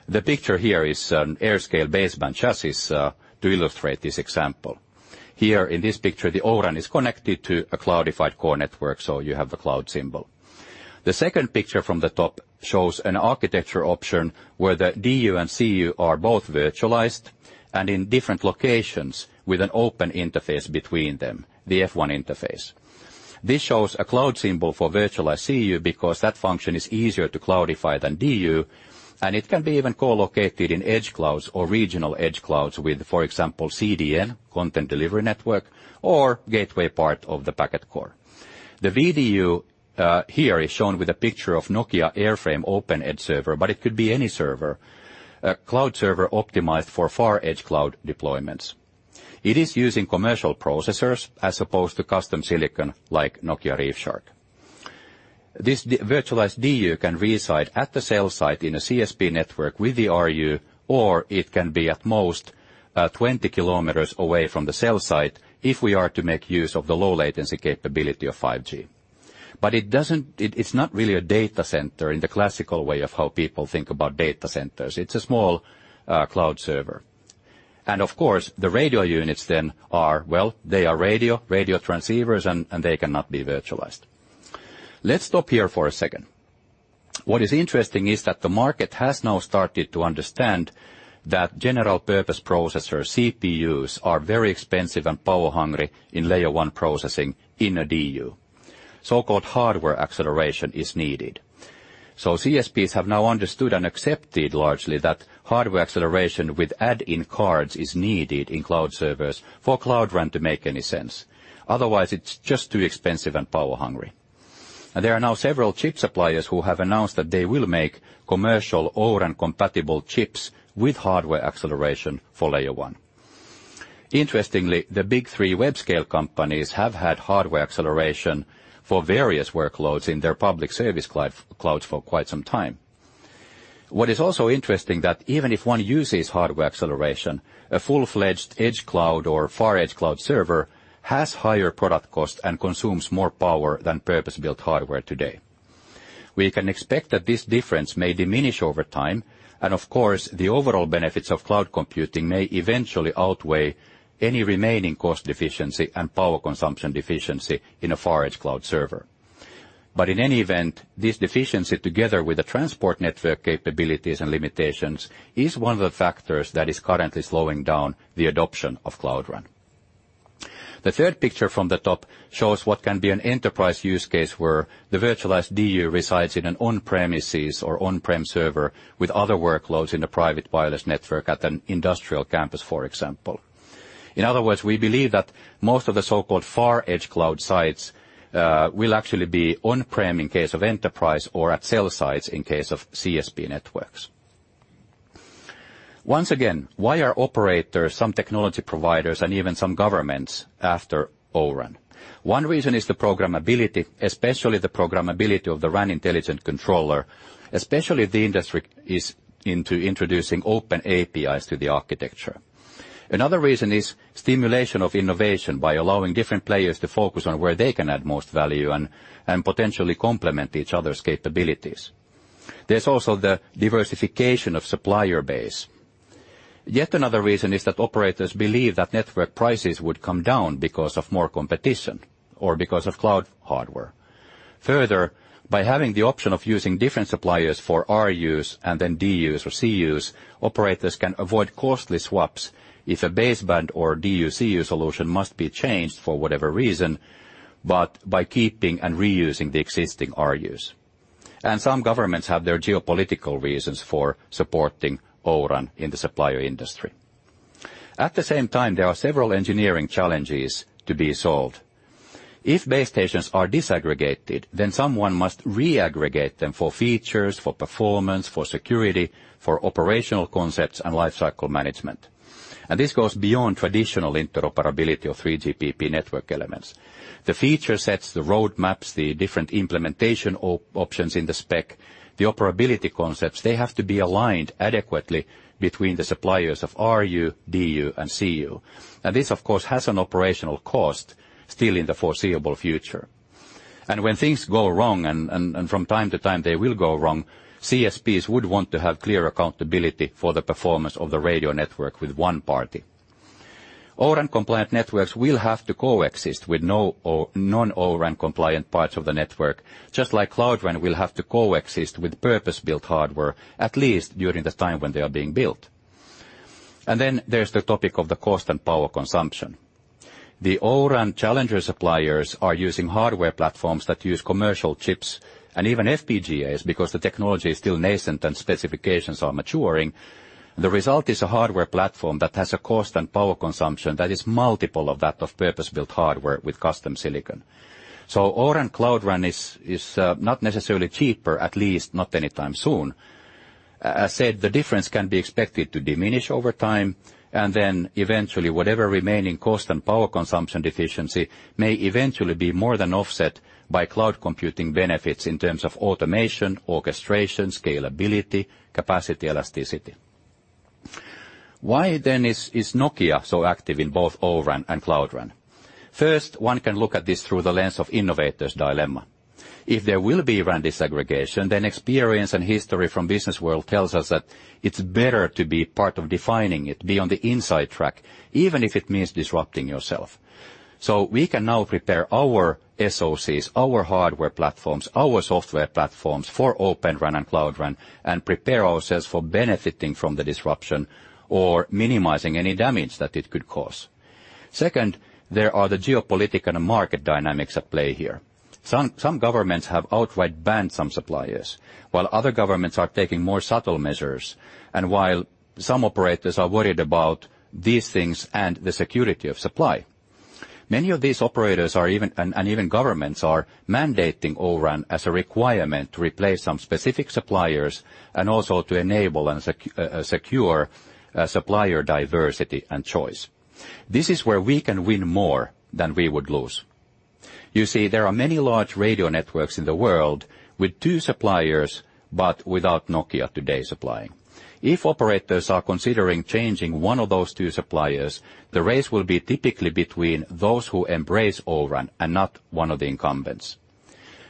The picture here is an AirScale baseband chassis to illustrate this example. Here in this picture, the O-RAN is connected to a cloudified core network, so you have the cloud symbol. The second picture from the top shows an architecture option where the DU and CU are both virtualized and in different locations with an open interface between them, the F1 interface. This shows a cloud symbol for virtualized CU because that function is easier to cloudify than DU, and it can be even co-located in edge clouds or regional edge clouds with, for example, CDN content delivery network, or gateway part of the packet core. The VDU here is shown with a picture of Nokia AirFrame Open Edge Server, but it could be any server, a cloud server optimized for far edge cloud deployments. It is using commercial processors as opposed to custom silicon like Nokia ReefShark. This virtualized DU can reside at the cell site in a CSP network with the RU, or it can be at most 20 km away from the cell site if we are to make use of the low latency capability of 5G. It’s not really a data center in the classical way of how people think about data centers. It’s a small cloud server. Of course, the radio units then are. Well, they are radio transceivers and they cannot be virtualized. Let’s stop here for a second. What is interesting is that the market has now started to understand that general-purpose processor CPUs are very expensive and power-hungry in Layer 1 processing in a DU. So-called hardware acceleration is needed. CSPs have now understood and accepted largely that hardware acceleration with add-in cards is needed in cloud servers for Cloud RAN to make any sense. Otherwise, it's just too expensive and power-hungry. There are now several chip suppliers who have announced that they will make commercial O-RAN compatible chips with hardware acceleration for Layer 1. Interestingly, the big three web-scale companies have had hardware acceleration for various workloads in their public service clouds for quite some time. What is also interesting is that even if one uses hardware acceleration, a full-fledged edge cloud or far edge cloud server has higher product cost and consumes more power than purpose-built hardware today. We can expect that this difference may diminish over time, and of course, the overall benefits of cloud computing may eventually outweigh any remaining cost deficiency and power consumption deficiency in a far edge cloud server. In any event, this deficiency, together with the transport network capabilities and limitations, is one of the factors that is currently slowing down the adoption of Cloud RAN. The third picture from the top shows what can be an enterprise use case where the virtualized DU resides in an on-premises or on-prem server with other workloads in a private wireless network at an industrial campus, for example. In other words, we believe that most of the so-called far edge cloud sites will actually be on-prem in case of enterprise or at cell sites in case of CSP networks. Once again, why are operators, some technology providers, and even some governments after O-RAN? One reason is the programmability, especially the programmability of the RAN intelligent controller, especially if the industry is into introducing open APIs to the architecture. Another reason is stimulation of innovation by allowing different players to focus on where they can add most value and potentially complement each other's capabilities. There's also the diversification of supplier base. Yet another reason is that operators believe that network prices would come down because of more competition or because of cloud hardware. Further, by having the option of using different suppliers for RUs and then DUs or CUs, operators can avoid costly swaps if a baseband or DU/CU solution must be changed for whatever reason, but by keeping and reusing the existing RUs. Some governments have their geopolitical reasons for supporting O-RAN in the supplier industry. At the same time, there are several engineering challenges to be solved. If base stations are disaggregated, then someone must re-aggregate them for features, for performance, for security, for operational concepts and lifecycle management. This goes beyond traditional interoperability of 3GPP network elements. The feature sets, the roadmaps, the different implementation options in the spec, the operability concepts, they have to be aligned adequately between the suppliers of RU, DU, and CU. This, of course, has an operational cost still in the foreseeable future. When things go wrong, from time to time they will go wrong, CSPs would want to have clear accountability for the performance of the radio network with one party. O-RAN compliant networks will have to coexist with no or non-O-RAN compliant parts of the network, just like Cloud RAN will have to coexist with purpose-built hardware, at least during the time when they are being built. Then there's the topic of the cost and power consumption. The O-RAN challenger suppliers are using hardware platforms that use commercial chips and even FPGAs because the technology is still nascent and specifications are maturing. The result is a hardware platform that has a cost and power consumption that is multiple of that of purpose-built hardware with custom silicon. O-RAN Cloud RAN is not necessarily cheaper, at least not anytime soon. As said, the difference can be expected to diminish over time, and then eventually, whatever remaining cost and power consumption deficiency may eventually be more than offset by cloud computing benefits in terms of automation, orchestration, scalability, capacity elasticity. Why then is Nokia so active in both O-RAN and Cloud RAN? First, one can look at this through the lens of innovator's dilemma. If there will be RAN disaggregation, then experience and history from business world tells us that it's better to be part of defining it, be on the inside track, even if it means disrupting yourself. We can now prepare our SoCs, our hardware platforms, our software platforms for O-RAN and Cloud RAN and prepare ourselves for benefiting from the disruption or minimizing any damage that it could cause. Second, there are the geopolitical and market dynamics at play here. Some governments have outright banned some suppliers, while other governments are taking more subtle measures, and while some operators are worried about these things and the security of supply. Many of these operators are even, and even governments are mandating O-RAN as a requirement to replace some specific suppliers and also to enable and secure supplier diversity and choice. This is where we can win more than we would lose. You see, there are many large radio networks in the world with two suppliers, but without Nokia today supplying. If operators are considering changing one of those two suppliers, the race will be typically between those who embrace O-RAN and not one of the incumbents.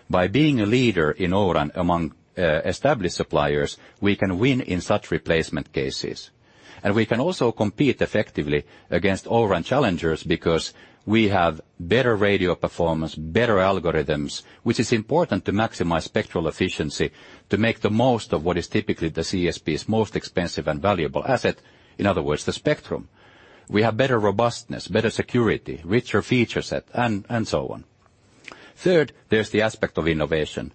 By being a leader in O-RAN among established suppliers, we can win in such replacement cases. We can also compete effectively against O-RAN challengers because we have better radio performance, better algorithms, which is important to maximize spectral efficiency to make the most of what is typically the CSP's most expensive and valuable asset, in other words, the spectrum. We have better robustness, better security, richer feature set, and so on. Third, there's the aspect of innovation.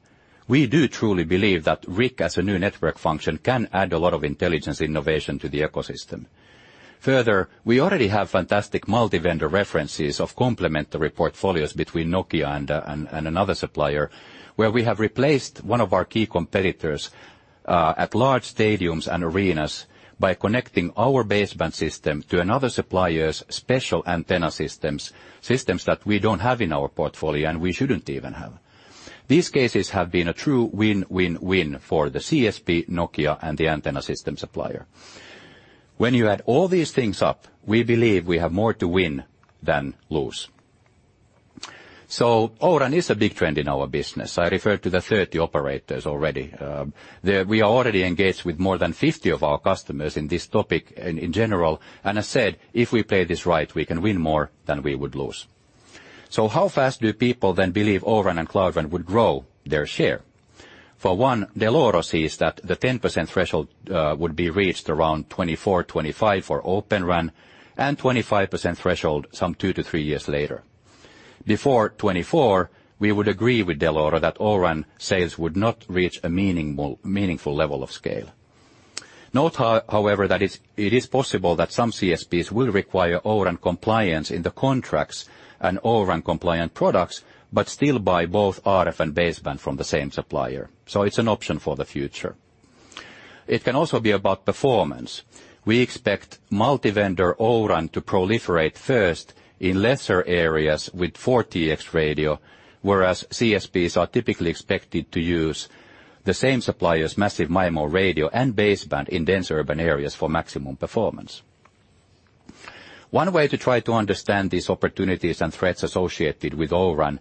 We do truly believe that RIC as a new network function can add a lot of intelligence innovation to the ecosystem. Further, we already have fantastic multi-vendor references of complementary portfolios between Nokia and another supplier, where we have replaced one of our key competitors at large stadiums and arenas by connecting our baseband system to another supplier's special antenna systems that we don't have in our portfolio, and we shouldn't even have. These cases have been a true win-win-win for the CSP, Nokia, and the antenna system supplier. When you add all these things up, we believe we have more to win than lose. O-RAN is a big trend in our business. I referred to the 30 operators already. We are already engaged with more than 50 of our customers in this topic in general. I said, if we play this right, we can win more than we would lose. How fast do people then believe O-RAN and Cloud RAN would grow their share? For one, Dell'Oro sees that the 10% threshold would be reached around 2024, 2025 for Open RAN and 25% threshold some 2-3 years later. Before 2024, we would agree with Dell'Oro that O-RAN sales would not reach a meaningful level of scale. Note however, that it is possible that some CSPs will require O-RAN compliance in the contracts and O-RAN compliant products, but still buy both RF and baseband from the same supplier. It's an option for the future. It can also be about performance. We expect multi-vendor O-RAN to proliferate first in lesser areas with 40X radio, whereas CSPs are typically expected to use the same supplier's massive MIMO radio and baseband in dense urban areas for maximum performance. One way to try to understand these opportunities and threats associated with O-RAN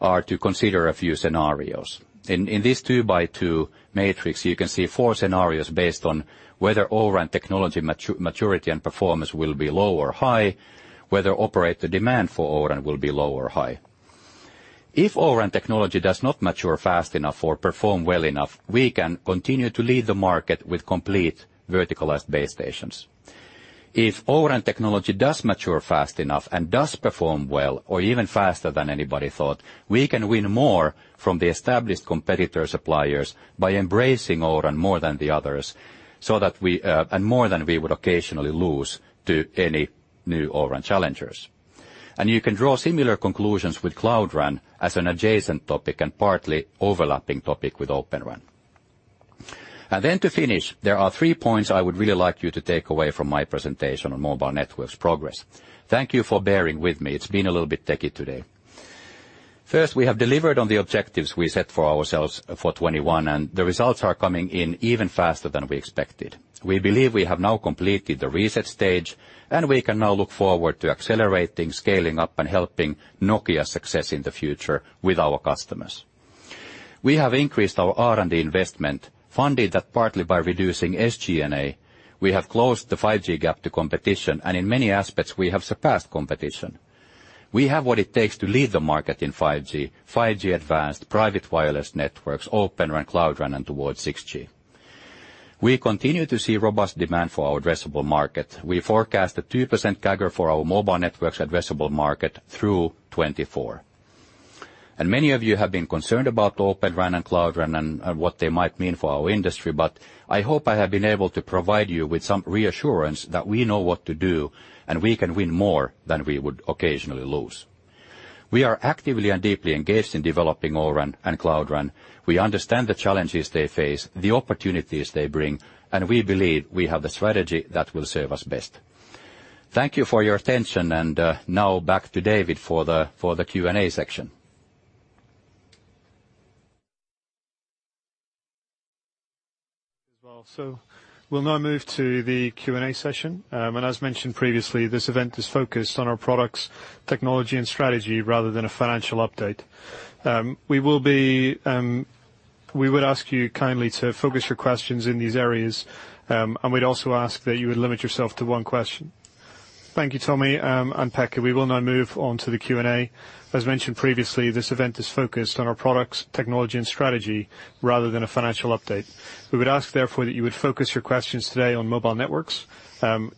are to consider a few scenarios. In this 2-by-2 matrix, you can see 4 scenarios based on whether O-RAN technology maturity and performance will be low or high, whether operator demand for O-RAN will be low or high. If O-RAN technology does not mature fast enough or perform well enough, we can continue to lead the market with complete vertical as base stations. If O-RAN technology does mature fast enough and does perform well or even faster than anybody thought, we can win more from the established competitor suppliers by embracing O-RAN more than the others, so that we and more than we would occasionally lose to any new O-RAN challengers. You can draw similar conclusions with Cloud RAN as an adjacent topic and partly overlapping topic with Open RAN. To finish, there are three points I would really like you to take away from my presentation on Mobile Networks progress. Thank you for bearing with me. It's been a little bit techy today. First, we have delivered on the objectives we set for ourselves for 2021, and the results are coming in even faster than we expected. We believe we have now completed the reset stage, and we can now look forward to accelerating, scaling up, and helping Nokia success in the future with our customers. We have increased our R&D investment, funded that partly by reducing SG&A. We have closed the 5G gap to competition, and in many aspects, we have surpassed competition. We have what it takes to lead the market in 5G Advanced, private wireless networks, Open RAN, Cloud RAN, and towards 6G. We continue to see robust demand for our addressable market. We forecast a 2% CAGR for our Mobile Networks addressable market through 2024. Many of you have been concerned about Open RAN and Cloud RAN and what they might mean for our industry. I hope I have been able to provide you with some reassurance that we know what to do and we can win more than we would occasionally lose. We are actively and deeply engaged in developing O-RAN and Cloud RAN. We understand the challenges they face, the opportunities they bring, and we believe we have the strategy that will serve us best. Thank you for your attention. Now back to David for the Q and A section. We'll now move to the Q and A session. As mentioned previously, this event is focused on our products, technology and strategy rather than a financial update. We would ask you kindly to focus your questions in these areas, and we'd also ask that you would limit yourself to one question. Thank you, Tommi and Pekka. We will now move on to the Q and A. As mentioned previously, this event is focused on our products, technology and strategy rather than a financial update. We would ask, therefore, that you would focus your questions today on Mobile Networks,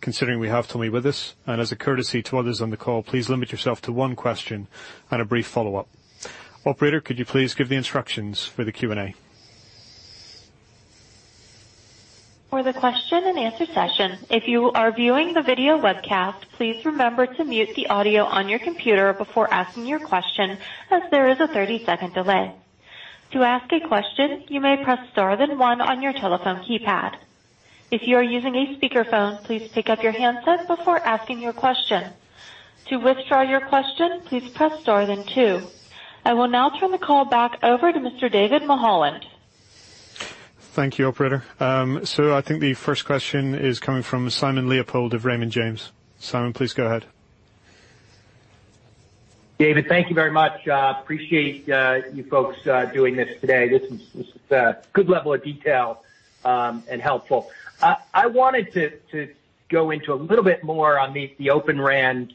considering we have Tommi with us. As a courtesy to others on the call, please limit yourself to one question and a brief follow-up. Operator, could you please give the instructions for the Q and A? For the question-and-answer session, if you are viewing the video webcast, please remember to mute the audio on your computer before asking your question as there is a 30-second delay. To ask a question, you may press star then one on your telephone keypad. If you are using a speakerphone, please pick up your handset before asking your question. To withdraw your question, please press star then two. I will now turn the call back over to Mr. David Mulholland. Thank you, operator. I think the first question is coming from Simon Leopold of Raymond James. Simon, please go ahead. David, thank you very much. Appreciate you folks doing this today. This is a good level of detail and helpful. I wanted to go into a little bit more on the Open RAN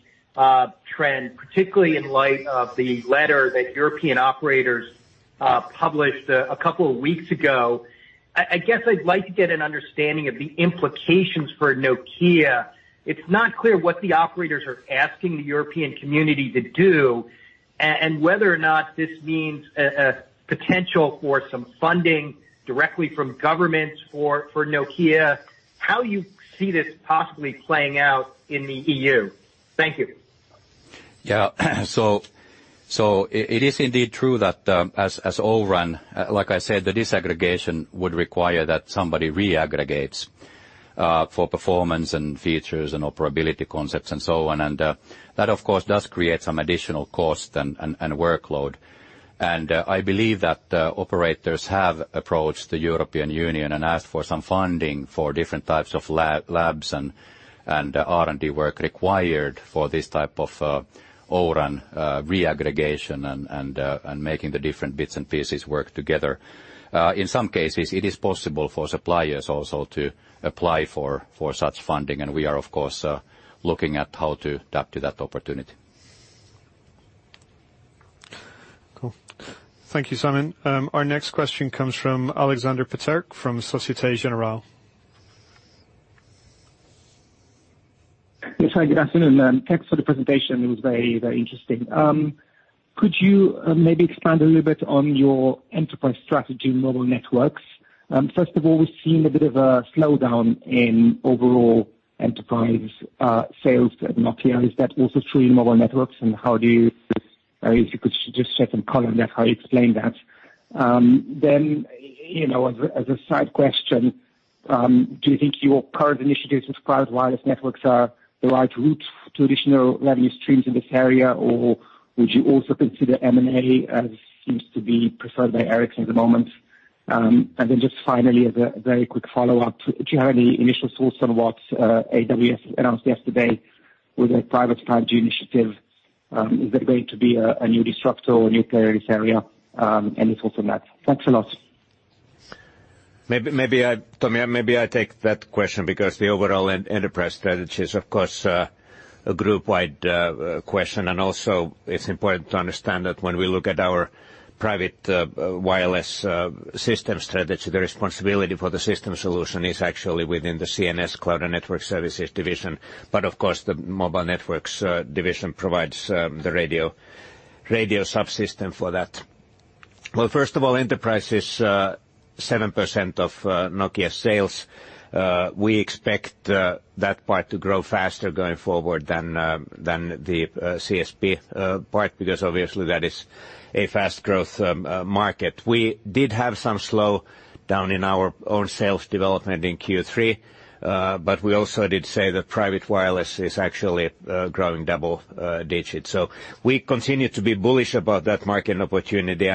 trend, particularly in light of the letter that European operators published a couple of weeks ago. I guess I'd like to get an understanding of the implications for Nokia. It's not clear what the operators are asking the European community to do and whether or not this means a potential for some funding directly from governments for Nokia. How you see this possibly playing out in the EU? Thank you. Yeah. It is indeed true that, as O-RAN, like I said, the disaggregation would require that somebody reaggregates for performance and features and operability concepts and so on. That of course does create some additional cost and workload. I believe that operators have approached the European Union and asked for some funding for different types of labs and R&D work required for this type of O-RAN reaggregation and making the different bits and pieces work together. In some cases, it is possible for suppliers also to apply for such funding. We are of course looking at how to tap into that opportunity. Cool. Thank you, Simon. Our next question comes from Alexander Peterc from Société Générale. Hi, good afternoon. Thanks for the presentation. It was very, very interesting. Could you maybe expand a little bit on your enterprise strategy Mobile Networks? First of all, we've seen a bit of a slowdown in overall enterprise sales at Nokia. Is that also true in Mobile Networks, and how do you or if you could just set some color on that, how you explain that. Then, you know, as a side question, do you think your current initiatives in private wireless networks are the right route to additional revenue streams in this area? Or would you also consider M&A as seems to be preferred by Ericsson at the moment? And then just finally, as a very quick follow-up, do you have any initial thoughts on what AWS announced yesterday with a private 5G initiative? Is that going to be a new disruptor or new player in this area? Any thoughts on that? Thanks a lot. Maybe I take that question because the overall enterprise strategy is of course a group-wide question. Also it's important to understand that when we look at our private wireless system strategy, the responsibility for the system solution is actually within the CNS, Cloud and Network Services division. Of course, the Mobile Networks division provides the radio subsystem for that. Well, first of all, enterprise is 7% of Nokia's sales. We expect that part to grow faster going forward than the CSP part, because obviously that is a fast growth market. We did have some slowdown in our own sales development in Q3, but we also did say that private wireless is actually growing double-digit. We continue to be bullish about that market opportunity.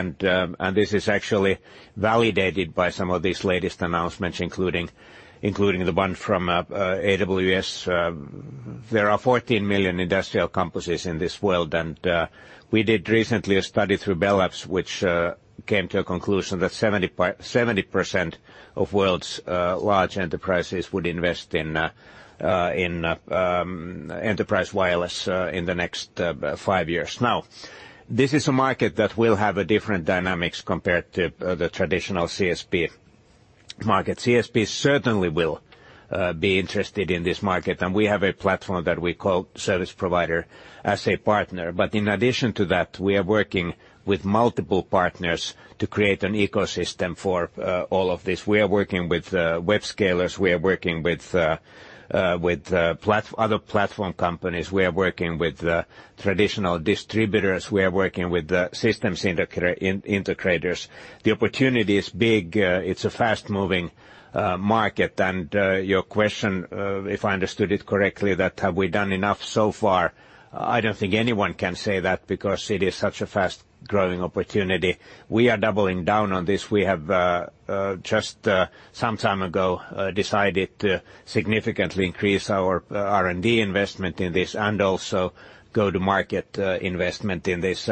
This is actually validated by some of these latest announcements, including the one from AWS. There are 14 million industrial campuses in this world, and we recently did a study through Bell Labs, which came to a conclusion that 70% of the world's large enterprises would invest in enterprise wireless in the next five years. This is a market that will have different dynamics compared to the traditional CSP market. CSP certainly will be interested in this market, and we have a platform that we call Service Provider as a Partner. In addition to that, we are working with multiple partners to create an ecosystem for all of this. We are working with web scalers, we are working with other platform companies. We are working with traditional distributors. We are working with the systems integrators. The opportunity is big. It's a fast-moving market. Your question, if I understood it correctly, that have we done enough so far? I don't think anyone can say that because it is such a fast-growing opportunity. We are doubling down on this. We have just some time ago decided to significantly increase our R&D investment in this and also go to market investment in this.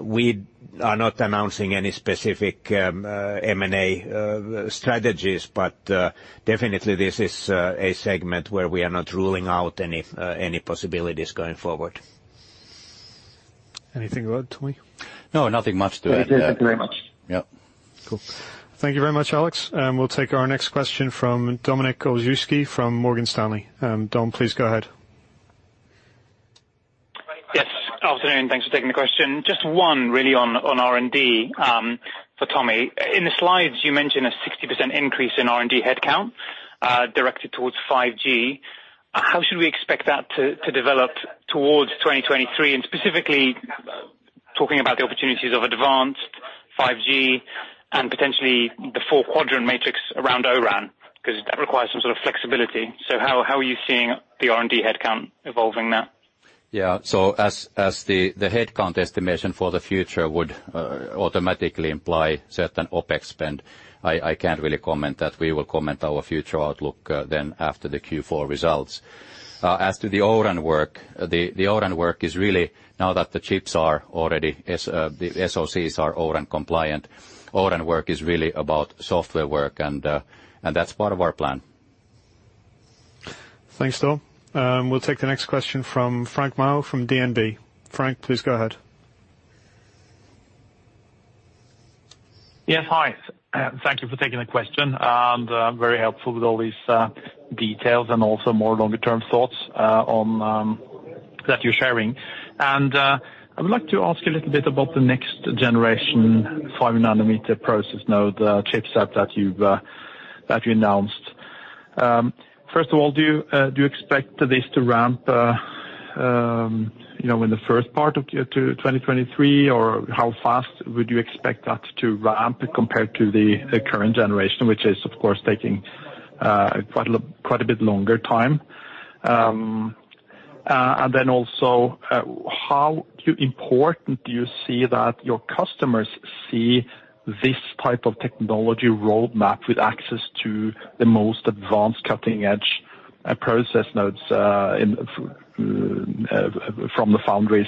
We are not announcing any specific M&A strategies, but definitely this is a segment where we are not ruling out any possibilities going forward. Anything to add, Tommi? No, nothing much to add. Thank you. Thank you very much. Yep. Cool. Thank you very much, Alex. We'll take our next question from Dominik Olszewski from Morgan Stanley. Dom, please go ahead. Yes. Afternoon. Thanks for taking the question. Just one really on R&D for Tommi. In the slides, you mentioned a 60% increase in R&D head count directed towards 5G. How should we expect that to develop towards 2023? And specifically talking about the opportunities of advanced 5G and potentially the four-quadrant matrix around O-RAN, 'cause that requires some sort of flexibility. How are you seeing the R&D head count evolving now? As the head count estimation for the future would automatically imply certain OpEx spend, I can't really comment on that. We will comment on our future outlook then after the Q4 results. As to the O-RAN work, now that the SoCs are O-RAN compliant, it is really about software work, and that's part of our plan. Thanks, Dom. We'll take the next question from Frank Maaø from DNB. Frank, please go ahead. Yes. Hi. Thank you for taking the question, and very helpful with all these details and also more longer-term thoughts on that you're sharing. I would like to ask you a little bit about the next generation 5 nanometer process node, the chipset that you announced. First of all, do you expect this to ramp, you know, in the first part of 2023 or how fast would you expect that to ramp compared to the current generation, which is of course taking quite a bit longer time? How important do you see that your customers see this type of technology roadmap with access to the most advanced cutting-edge process nodes from the foundries?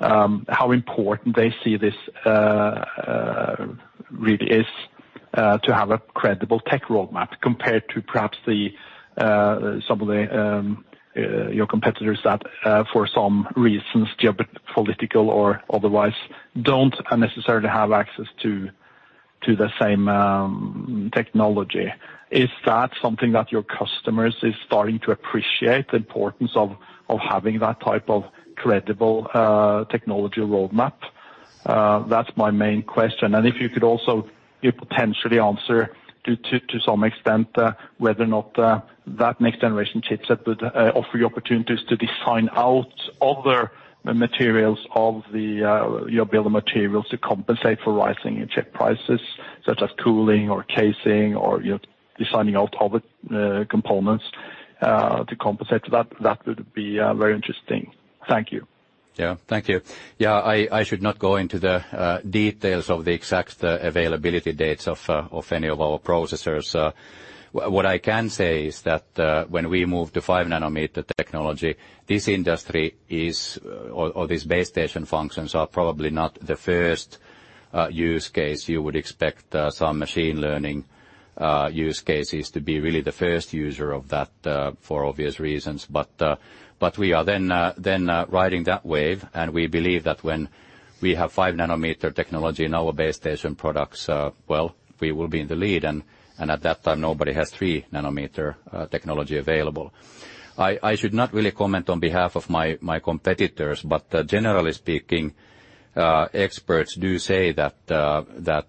How important they see this really is to have a credible tech roadmap compared to perhaps some of the your competitors that for some reasons, geopolitical or otherwise, don't necessarily have access to the same technology. Is that something that your customers is starting to appreciate the importance of having that type of credible technology roadmap? That's my main question. If you could also potentially answer to some extent whether or not that next generation chipset would offer you opportunities to design out other materials of your bill of materials to compensate for rising chip prices, such as cooling or casing or, you know, designing out other components to compensate that. That would be very interesting. Thank you. I should not go into the details of the exact availability dates of any of our processors. What I can say is that when we move to 5 nanometer technology, this industry or this base station functions are probably not the first use case. You would expect some machine learning use cases to be really the first user of that for obvious reasons. But we are then riding that wave, and we believe that when we have 5 nanometer technology in our base station products, well, we will be in the lead. And at that time, nobody has 3 nanometer technology available. I should not really comment on behalf of my competitors. Generally speaking, experts do say that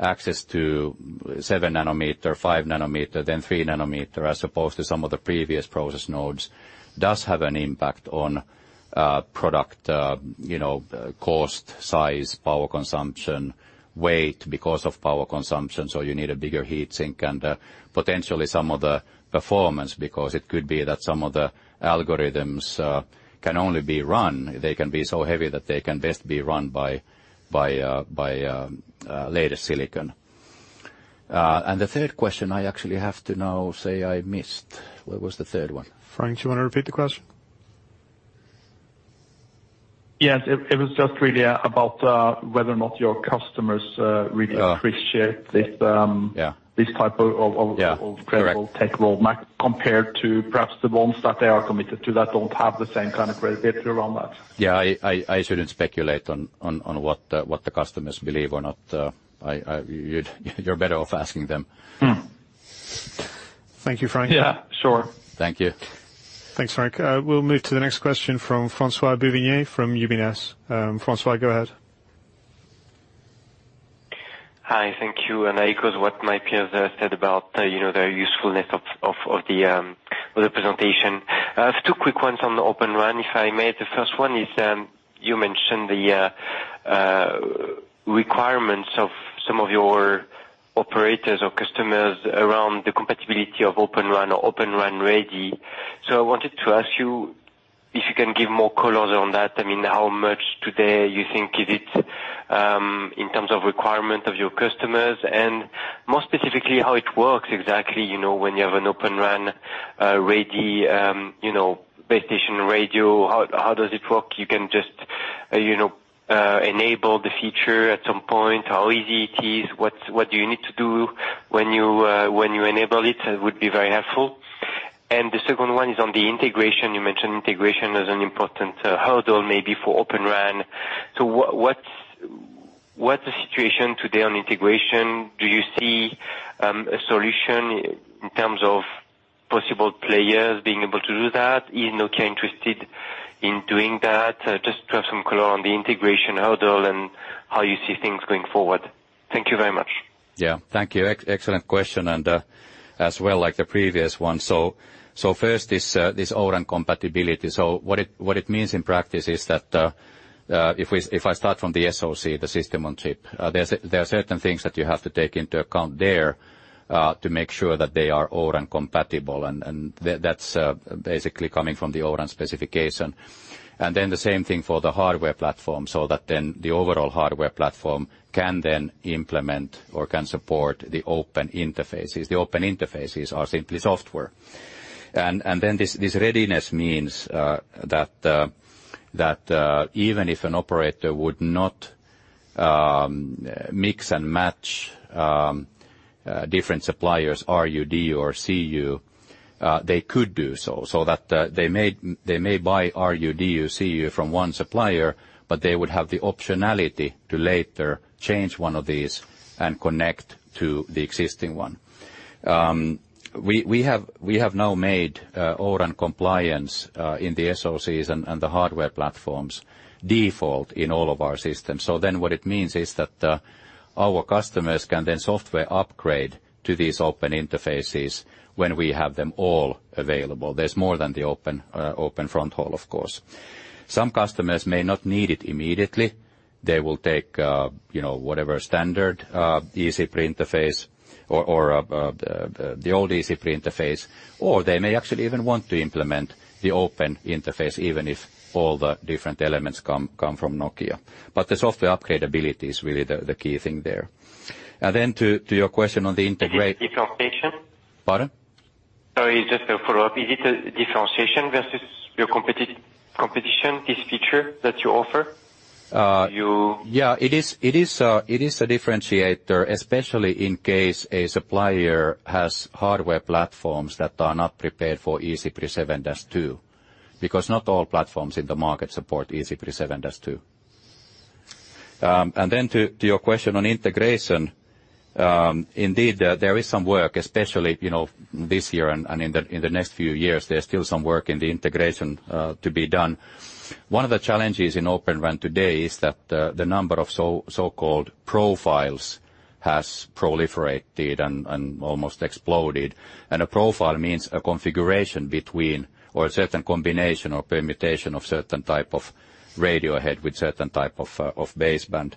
access to 7 nanometer, 5 nanometer, then 3 nanometer, as opposed to some of the previous process nodes, does have an impact on product, you know, cost, size, power consumption, weight because of power consumption. You need a bigger heat sink and potentially some of the performance, because it could be that some of the algorithms can only be run. They can be so heavy that they can best be run by latest silicon. The third question I actually have to now say I missed. What was the third one? Frank, do you wanna repeat the question? Yes. It was just really about whether or not your customers really. Ah. appreciate this. Yeah. this type of Yeah. Correct. Incredible tech roadmap compared to perhaps the ones that they are committed to that don't have the same kind of credibility around that. Yeah. I shouldn't speculate on what the customers believe or not. You're better off asking them. Hmm. Thank you, Frank. Yeah. Sure. Thank you. Thanks, Frank. We'll move to the next question from François-Xavier Bouvignies from UBS. François, go ahead. Hi. Thank you. I echo what my peers have said about, you know, the usefulness of the presentation. I have two quick ones on the Open RAN, if I may. The first one is, you mentioned the requirements of some of your operators or customers around the compatibility of Open RAN or Open RAN ready. So I wanted to ask you if you can give more color on that. I mean, how much today you think is it in terms of requirement of your customers? And more specifically, how it works exactly, you know, when you have an Open RAN ready, you know, base station radio, how does it work? You can just, you know, enable the feature at some point. How easy it is? What do you need to do when you enable it? It would be very helpful. The second one is on the integration. You mentioned integration as an important hurdle maybe for Open RAN. What's the situation today on integration? Do you see a solution in terms of possible players being able to do that? Is Nokia interested in doing that? Just to have some color on the integration hurdle and how you see things going forward. Thank you very much. Yeah. Thank you. Excellent question and, as well, like the previous one. First, this O-RAN compatibility. What it means in practice is that, if I start from the SoC, the System-on-Chip, there are certain things that you have to take into account there, to make sure that they are O-RAN compatible, and that's basically coming from the O-RAN specification. Then the same thing for the hardware platform, so that then the overall hardware platform can then implement or can support the open interfaces. The open interfaces are simply software. This readiness means that even if an operator would not mix and match different suppliers, RU/DU or CU, they could do so that they may buy RU/DU, CU from one supplier, but they would have the optionality to later change one of these and connect to the existing one. We have now made O-RAN compliance in the SoCs and the hardware platforms default in all of our systems. What it means is that our customers can then software upgrade to these open interfaces when we have them all available. There's more than the open fronthaul, of course. Some customers may not need it immediately. They will take you know whatever standard eCPRI interface or the old eCPRI interface. They may actually even want to implement the open interface, even if all the different elements come from Nokia. The software upgrade ability is really the key thing there. Then to your question on the integrate- Is it differentiation? Pardon? Sorry, just a follow-up. Is it a differentiation versus your competition, this feature that you offer? Do you- Yeah, it is a differentiator, especially in case a supplier has hardware platforms that are not prepared for eCPRI 7-2. Because not all platforms in the market support eCPRI 7-2. To your question on integration. Indeed, there is some work, especially this year and in the next few years. There's still some work in the integration to be done. One of the challenges in Open RAN today is that the number of so-called profiles has proliferated and almost exploded. A profile means a configuration between, or a certain combination or permutation of certain type of radio head with certain type of baseband.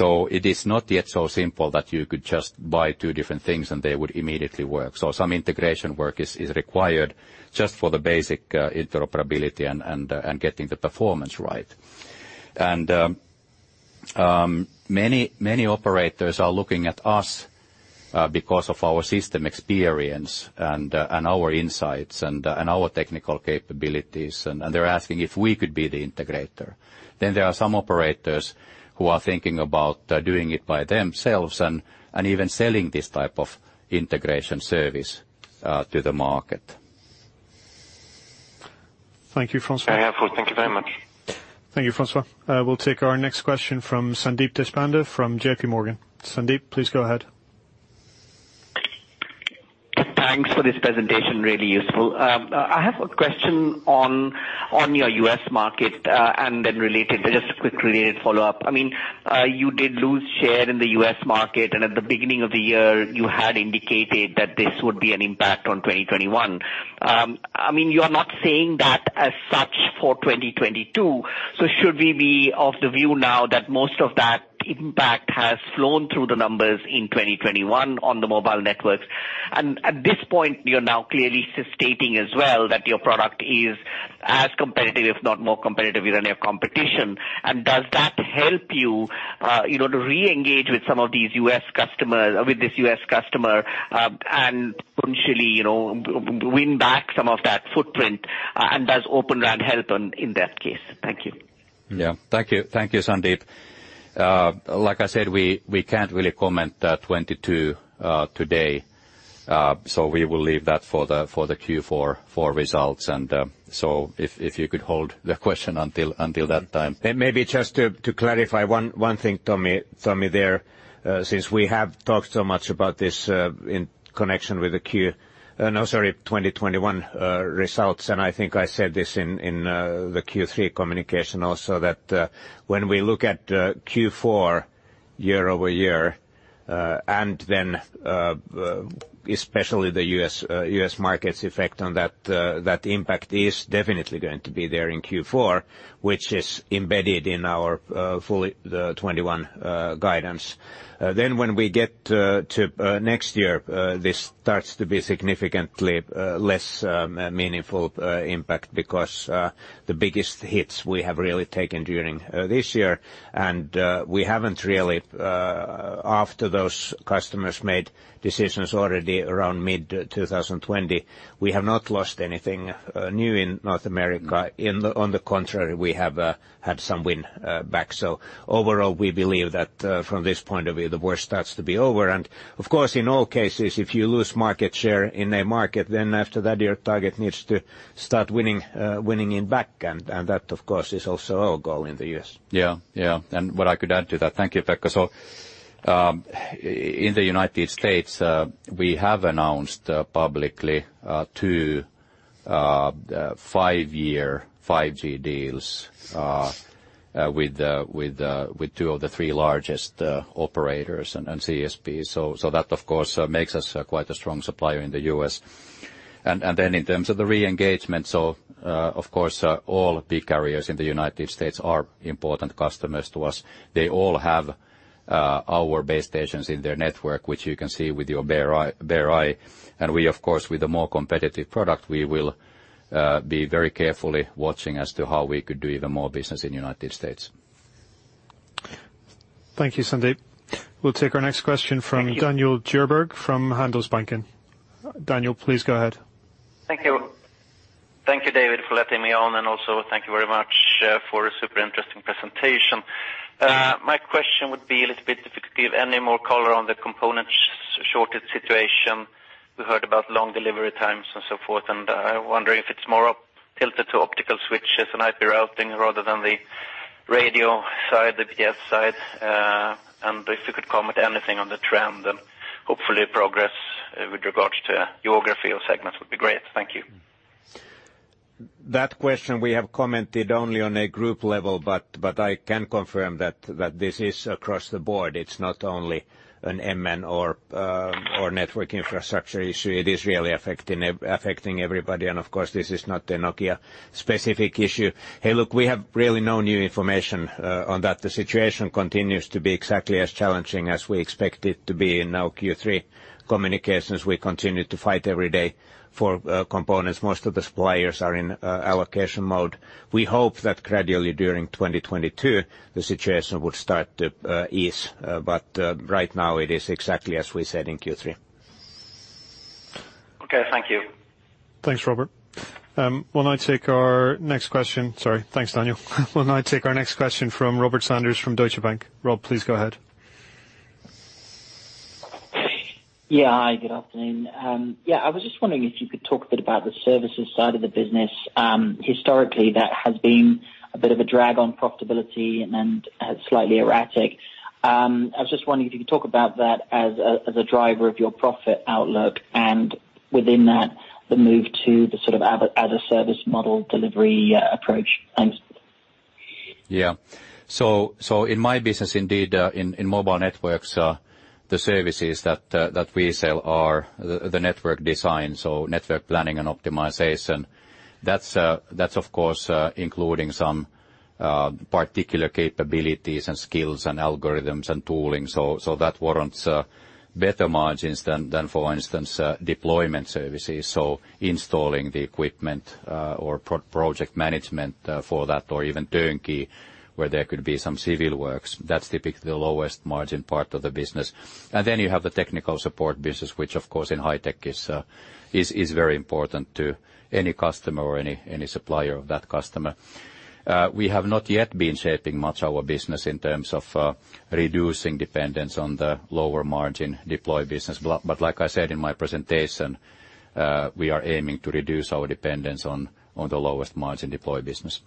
It is not yet so simple that you could just buy two different things and they would immediately work. Some integration work is required just for the basic interoperability and getting the performance right. Many operators are looking at us because of our system experience and our insights and our technical capabilities, and they're asking if we could be the integrator. There are some operators who are thinking about doing it by themselves and even selling this type of integration service to the market. Thank you, François. Very helpful. Thank you very much. Thank you, François. We'll take our next question from Sandeep Deshpande from J.P. Morgan. Sandeep, please go ahead. Thanks for this presentation. Really useful. I have a question on your U.S. market, and then related, but just a quick related follow-up. I mean, you did lose share in the U.S. market, and at the beginning of the year, you had indicated that this would be an impact on 2021. I mean, you are not saying that as such for 2022. Should we be of the view now that most of that impact has flown through the numbers in 2021 on the Mobile Networks? At this point, you're now clearly stating as well that your product is as competitive, if not more competitive even than your competition. Does that help you know, to reengage with this U.S. customer, and potentially, you know, win back some of that footprint, and does Open RAN help in that case? Thank you. Yeah. Thank you. Thank you, Sandeep. Like I said, we can't really comment on 2022 today. We will leave that for the Q4 results. If you could hold the question until that time. Maybe just to clarify one thing, Tommi there, since we have talked so much about this in connection with the 2021 results, and I think I said this in the Q3 communication also that when we look at Q4 year-over-year, and then especially the U.S. markets effect on that impact is definitely going to be there in Q4, which is embedded in our full 2021 guidance. Then when we get to next year, this starts to be significantly less meaningful impact because the biggest hits we have really taken during this year. We haven't really, after those customers made decisions already around mid-2020, we have not lost anything new in North America. On the contrary, we have had some win back. Overall, we believe that, from this point of view, the worst starts to be over. Of course, in all cases, if you lose market share in a market, then after that your target needs to start winning it back. That, of course, is also our goal in the U.S. What I could add to that. Thank you, Pekka. In the United States, we have announced publicly two five-year 5G deals with two of the three largest operators and CSPs. That of course makes us quite a strong supplier in the U.S. In terms of the reengagement, of course, all big carriers in the United States are important customers to us. They all have our base stations in their network, which you can see with your bare eye. We of course, with a more competitive product, will be very carefully watching as to how we could do even more business in the United States. Thank you, Sandeep. We'll take our next question from Thank you. Daniel Djurberg from Handelsbanken. Daniel, please go ahead. Thank you. Thank you, David, for letting me on, and also thank you very much for a super interesting presentation. My question would be a little bit if you could give any more color on the component shortage situation. We heard about long delivery times and so forth, and I wonder if it's more a to optical switches and IP routing rather than the radio side, the PS side. If you could comment anything on the trend and hopefully progress with regards to your geography or segments would be great. Thank you. That question we have commented only on a group level, but I can confirm that this is across the board. It's not only an MN or network infrastructure issue, it is really affecting everybody, and of course, this is not a Nokia specific issue. Hey, look, we have really no new information on that. The situation continues to be exactly as challenging as we expect it to be in our Q3 communications. We continue to fight every day for components. Most of the suppliers are in allocation mode. We hope that gradually during 2022, the situation would start to ease, but right now it is exactly as we said in Q3. Okay. Thank you. Thanks, Daniel. We'll now take our next question from Robert Sanders from Deutsche Bank. Rob, please go ahead. Yeah. Hi, good afternoon. Yeah, I was just wondering if you could talk a bit about the services side of the business. Historically, that has been a bit of a drag on profitability and slightly erratic. I was just wondering if you could talk about that as a driver of your profit outlook, and within that, the move to the sort of as a service model delivery approach. Thanks. Yeah. In my business, indeed, in Mobile Networks, the services that we sell are the network design, so network planning and optimization. That's of course including some particular capabilities and skills and algorithms and tooling. That warrants better margins than, for instance, deployment services, installing the equipment, or project management for that, or even turnkey where there could be some civil works. That's typically the lowest margin part of the business. Then you have the technical support business, which of course in high tech is very important to any customer or any supplier of that customer. We have not yet been shaping much our business in terms of reducing dependence on the lower margin deployment business. Like I said in my presentation, we are aiming to reduce our dependence on the lowest margin deploy business.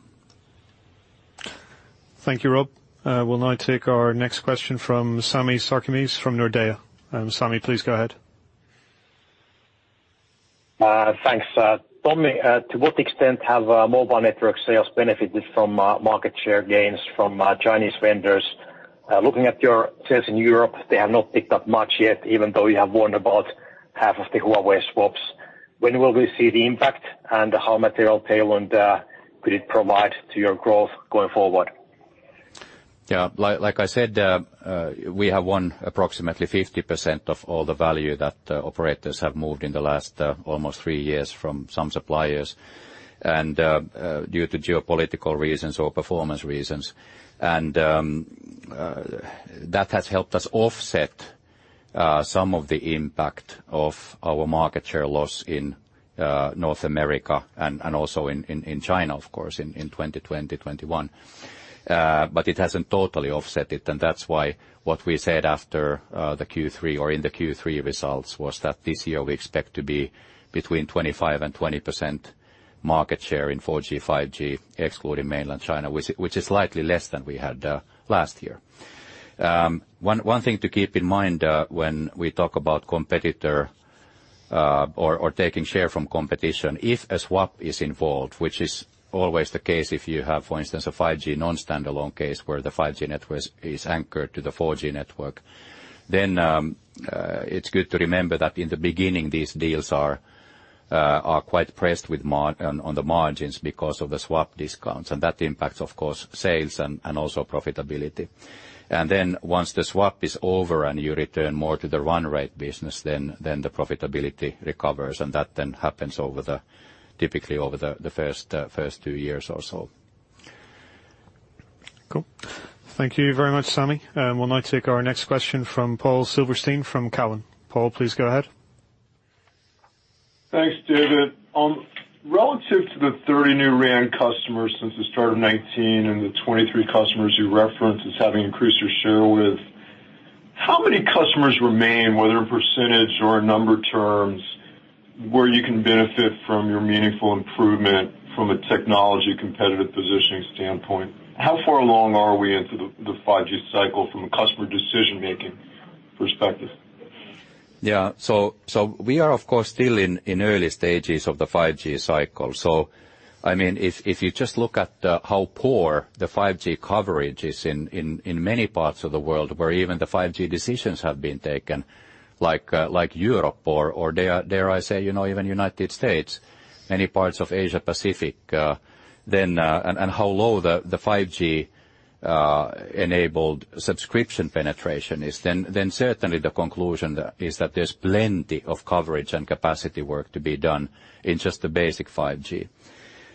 Thank you, Rob. We'll now take our next question from Sami Sarkamies from Nordea. Sami, please go ahead. Thanks. Tommi, to what extent have Mobile Networks sales benefited from market share gains from Chinese vendors? Looking at your sales in Europe, they have not picked up much yet, even though you have won about half of the Huawei swaps. When will we see the impact and how material a tailwind could it provide to your growth going forward? Yeah. Like I said, we have won approximately 50% of all the value that operators have moved in the last almost three years from some suppliers due to geopolitical reasons or performance reasons. That has helped us offset some of the impact of our market share loss in North America and also in China, of course, in 2020, 2021. It hasn't totally offset it, and that's why what we said after the Q3 or in the Q3 results was that this year we expect to be between 25% and 20% market share in 4G, 5G, excluding mainland China, which is slightly less than we had last year. One thing to keep in mind when we talk about competitor or taking share from competition, if a swap is involved, which is always the case, if you have, for instance, a 5G non-standalone case where the 5G network is anchored to the 4G network, then it's good to remember that in the beginning these deals are quite pressed on the margins because of the swap discounts. That impacts, of course, sales and also profitability. Then once the swap is over and you return more to the run rate business, then the profitability recovers. That happens typically over the first two years or so. Cool. Thank you very much, Sami. We'll now take our next question from Paul Silverstein from Cowen. Paul, please go ahead. Thanks, David. Relative to the 30 new RAN customers since the start of 2019 and the 23 customers you referenced as having increased your share with, how many customers remain, whether in percentage or in number terms, where you can benefit from your meaningful improvement from a technology competitive positioning standpoint? How far along are we into the 5G cycle from a customer decision-making perspective? We are of course still in early stages of the 5G cycle. I mean, if you just look at how poor the 5G coverage is in many parts of the world where even the 5G decisions have been taken, like Europe or dare I say, you know, even United States, many parts of Asia-Pacific, then how low the 5G enabled subscription penetration is, then certainly the conclusion there is that there's plenty of coverage and capacity work to be done in just the basic 5G.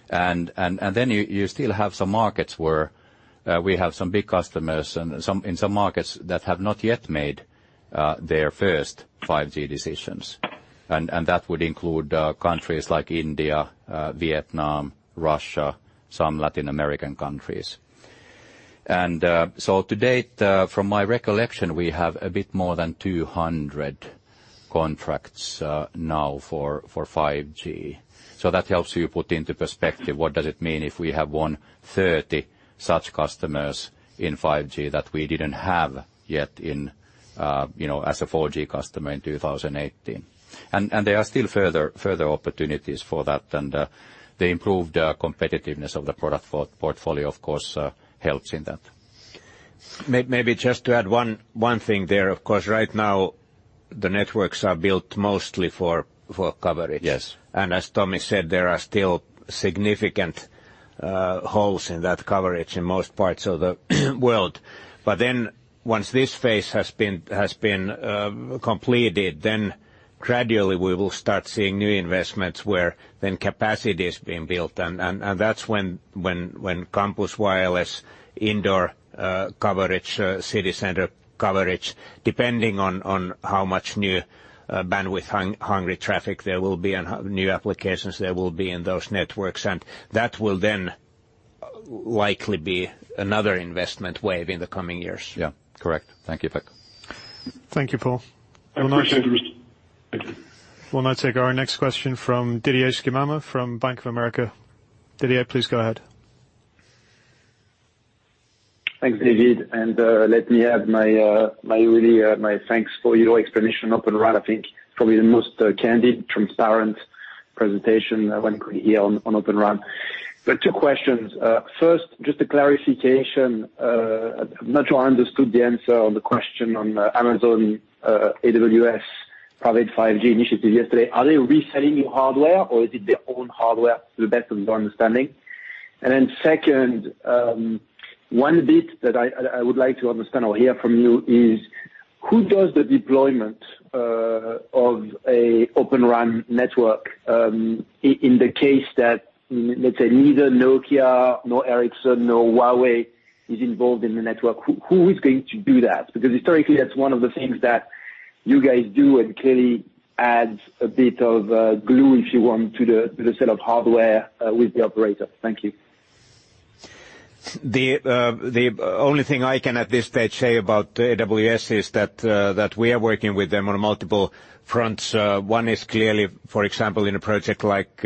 Then you still have some markets where we have some big customers and in some markets that have not yet made their first 5G decisions. That would include countries like India, Vietnam, Russia, some Latin American countries. So to date, from my recollection, we have a bit more than 200 contracts now for 5G. That helps you put into perspective what it means if we have won 30 such customers in 5G that we didn't have yet in, you know, as a 4G customer in 2018. There are still further opportunities for that, and the improved competitiveness of the product portfolio, of course, helps in that. Maybe just to add one thing there. Of course, right now the networks are built mostly for coverage. Yes. As Tommi said, there are still significant holes in that coverage in most parts of the world. But then once this phase has been completed, then gradually we will start seeing new investments where then capacity is being built and that's when campus wireless indoor coverage, city center coverage, depending on how much new bandwidth-hungry traffic there will be and new applications there will be in those networks, and that will then likely be another investment wave in the coming years. Yeah. Correct. Thank you, Pekka. Thank you, Paul. I appreciate it. Thank you. We'll now take our next question from Didier Scemama from Bank of America. Didier, please go ahead. Thanks, David. Let me add my real thanks for your explanation on Open RAN. I think it's probably the most candid, transparent presentation one could hear on Open RAN. Two questions. First, just a clarification. I'm not sure I understood the answer on the question on Amazon AWS Private 5G initiative yesterday. Are they reselling you hardware, or is it their own hardware to the best of your understanding? Then second, one bit that I would like to understand or hear from you is who does the deployment of an Open RAN network, in the case that, let's say, neither Nokia, nor Ericsson, nor Huawei is involved in the network, who is going to do that? Because historically, that's one of the things that you guys do and clearly adds a bit of glue, if you want, to the set of hardware with the operator. Thank you. The only thing I can at this stage say about AWS is that we are working with them on multiple fronts. One is clearly, for example, in a project like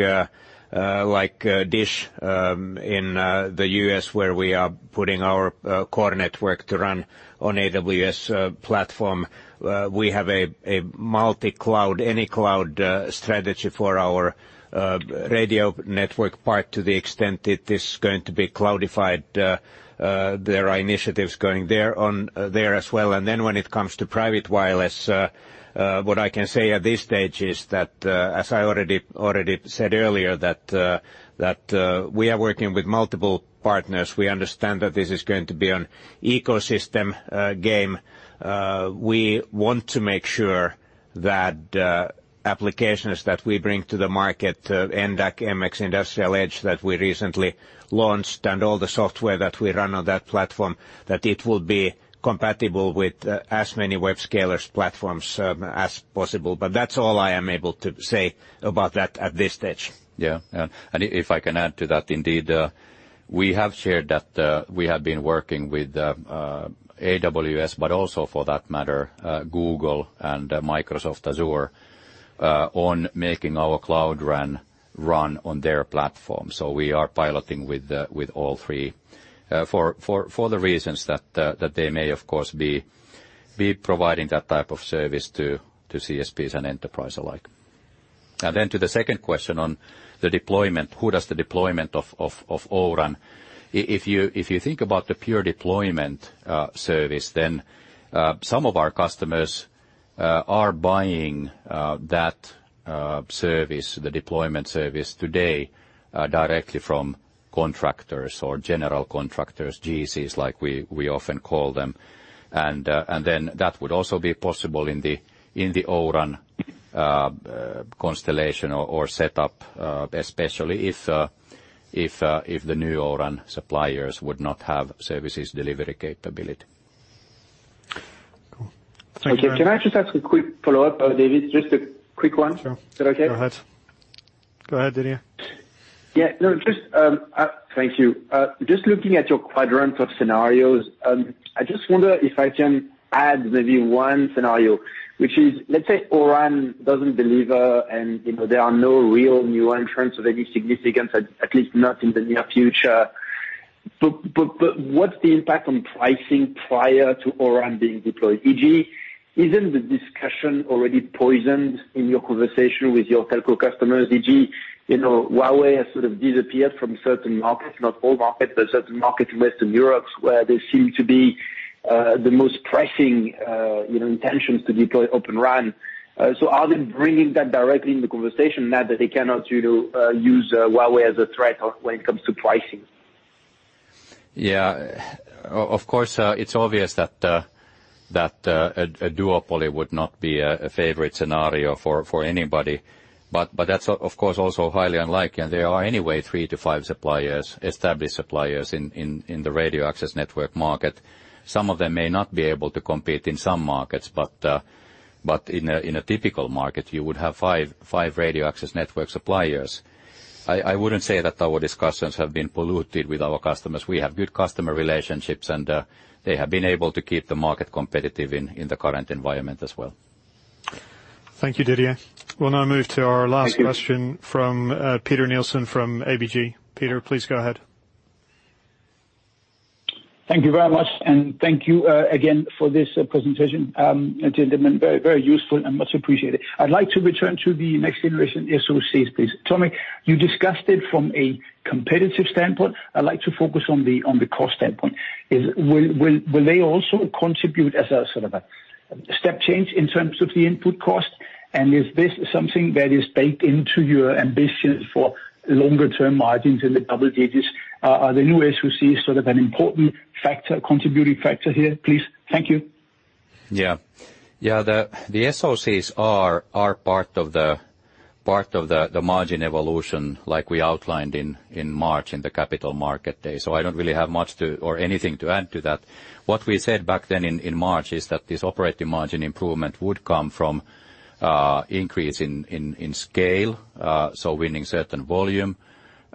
DISH in the U.S., where we are putting our core network to run on AWS platform. We have a multi-cloud, any cloud strategy for our radio network part to the extent it is going to be cloudified. There are initiatives going on there as well. Then when it comes to private wireless, what I can say at this stage is that, as I already said earlier, we are working with multiple partners. We understand that this is going to be an ecosystem game. We want to make sure that applications that we bring to the market, NDAC, MX Industrial Edge that we recently launched and all the software that we run on that platform, that it will be compatible with as many hyperscalers' platforms as possible. That's all I am able to say about that at this stage. Yeah. If I can add to that, indeed, we have shared that we have been working with AWS, but also for that matter, Google and Microsoft Azure, on making our Cloud RAN run on their platform. We are piloting with all three for the reasons that they may, of course, be providing that type of service to CSPs and enterprise alike. To the second question on the deployment, who does the deployment of O-RAN. If you think about the pure deployment service, then some of our customers are buying that service, the deployment service today, directly from contractors or general contractors, GCs, like we often call them. That would also be possible in the O-RAN constellation or setup, especially if the new O-RAN suppliers would not have services delivery capability. Cool. Thank you very much. Okay. Can I just ask a quick follow-up, David? Just a quick one. Sure. Is that okay? Go ahead, Didier. No, just thank you. Just looking at your quadrant of scenarios, I just wonder if I can add maybe one scenario, which is, let's say O-RAN doesn't deliver and, you know, there are no real new entrants of any significance, at least not in the near future. What's the impact on pricing prior to O-RAN being deployed? E.g., isn't the discussion already poisoned in your conversation with your telco customers? E.g., you know, Huawei has sort of disappeared from certain markets, not all markets, but certain markets in Western Europe, where they seem to be the most pressing intentions to deploy Open RAN. Are they bringing that directly in the conversation now that they cannot, you know, use Huawei as a threat when it comes to pricing? Yeah. Of course, it's obvious that a duopoly would not be a favorite scenario for anybody. That's of course also highly unlikely, and there are anyway 3-5 suppliers, established suppliers in the radio access network market. Some of them may not be able to compete in some markets, but in a typical market, you would have five radio access network suppliers. I wouldn't say that our discussions with our customers have been polluted. We have good customer relationships, and they have been able to keep the market competitive in the current environment as well. Thank you, Didier. We'll now move to our last question from Peter Nielsen from ABG. Peter, please go ahead. Thank you very much, and thank you again for this presentation, gentlemen. Very, very useful and much appreciated. I'd like to return to the next generation SOCs, please. Tommi, you discussed it from a competitive standpoint. I'd like to focus on the cost standpoint. Will they also contribute as a sort of a step change in terms of the input cost? And is this something that is baked into your ambitions for longer-term margins in the double digits? Are the new SOC sort of an important factor, contributing factor here, please? Thank you. The SoCs are part of the margin evolution like we outlined in March in the Capital Markets Day. I don't really have much to add or anything to add to that. What we said back then in March is that this operating margin improvement would come from increase in scale, so winning certain volume.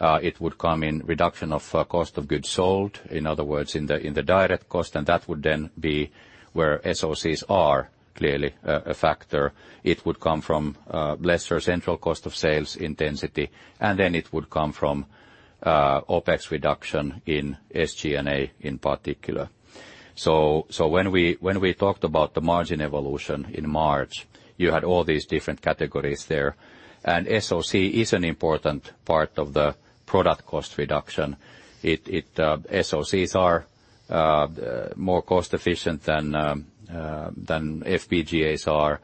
It would come from reduction of cost of goods sold. In other words, in the direct cost, and that would then be where SoCs are clearly a factor. It would come from lesser central cost of sales intensity, and then it would come from OpEx reduction in SG&A, in particular. When we talked about the margin evolution in March, you had all these different categories there. SoC is an important part of the product cost reduction. SoCs are more cost-efficient than FPGAs are.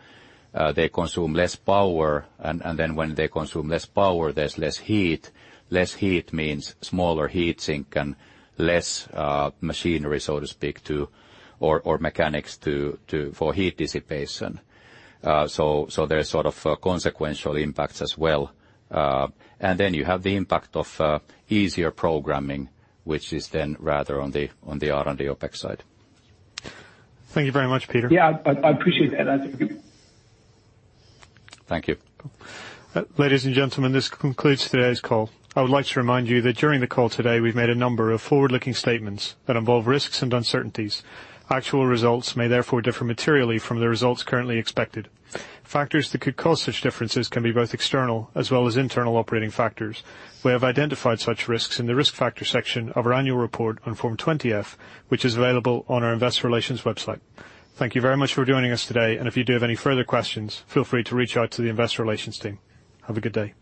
They consume less power and then when they consume less power, there's less heat. Less heat means smaller heat sink and less machinery, so to speak, for heat dissipation. There are sort of consequential impacts as well. You have the impact of easier programming, which is then rather on the R&D OpEx side. Thank you very much, Peter. Yeah, I appreciate that. Thank you. Thank you. Ladies and gentlemen, this concludes today's call. I would like to remind you that during the call today, we've made a number of forward-looking statements that involve risks and uncertainties. Actual results may therefore differ materially from the results currently expected. Factors that could cause such differences can be both external as well as internal operating factors. We have identified such risks in the Risk Factors section of our annual report on Form 20-F, which is available on our investor relations website. Thank you very much for joining us today. If you do have any further questions, feel free to reach out to the investor relations team. Have a good day.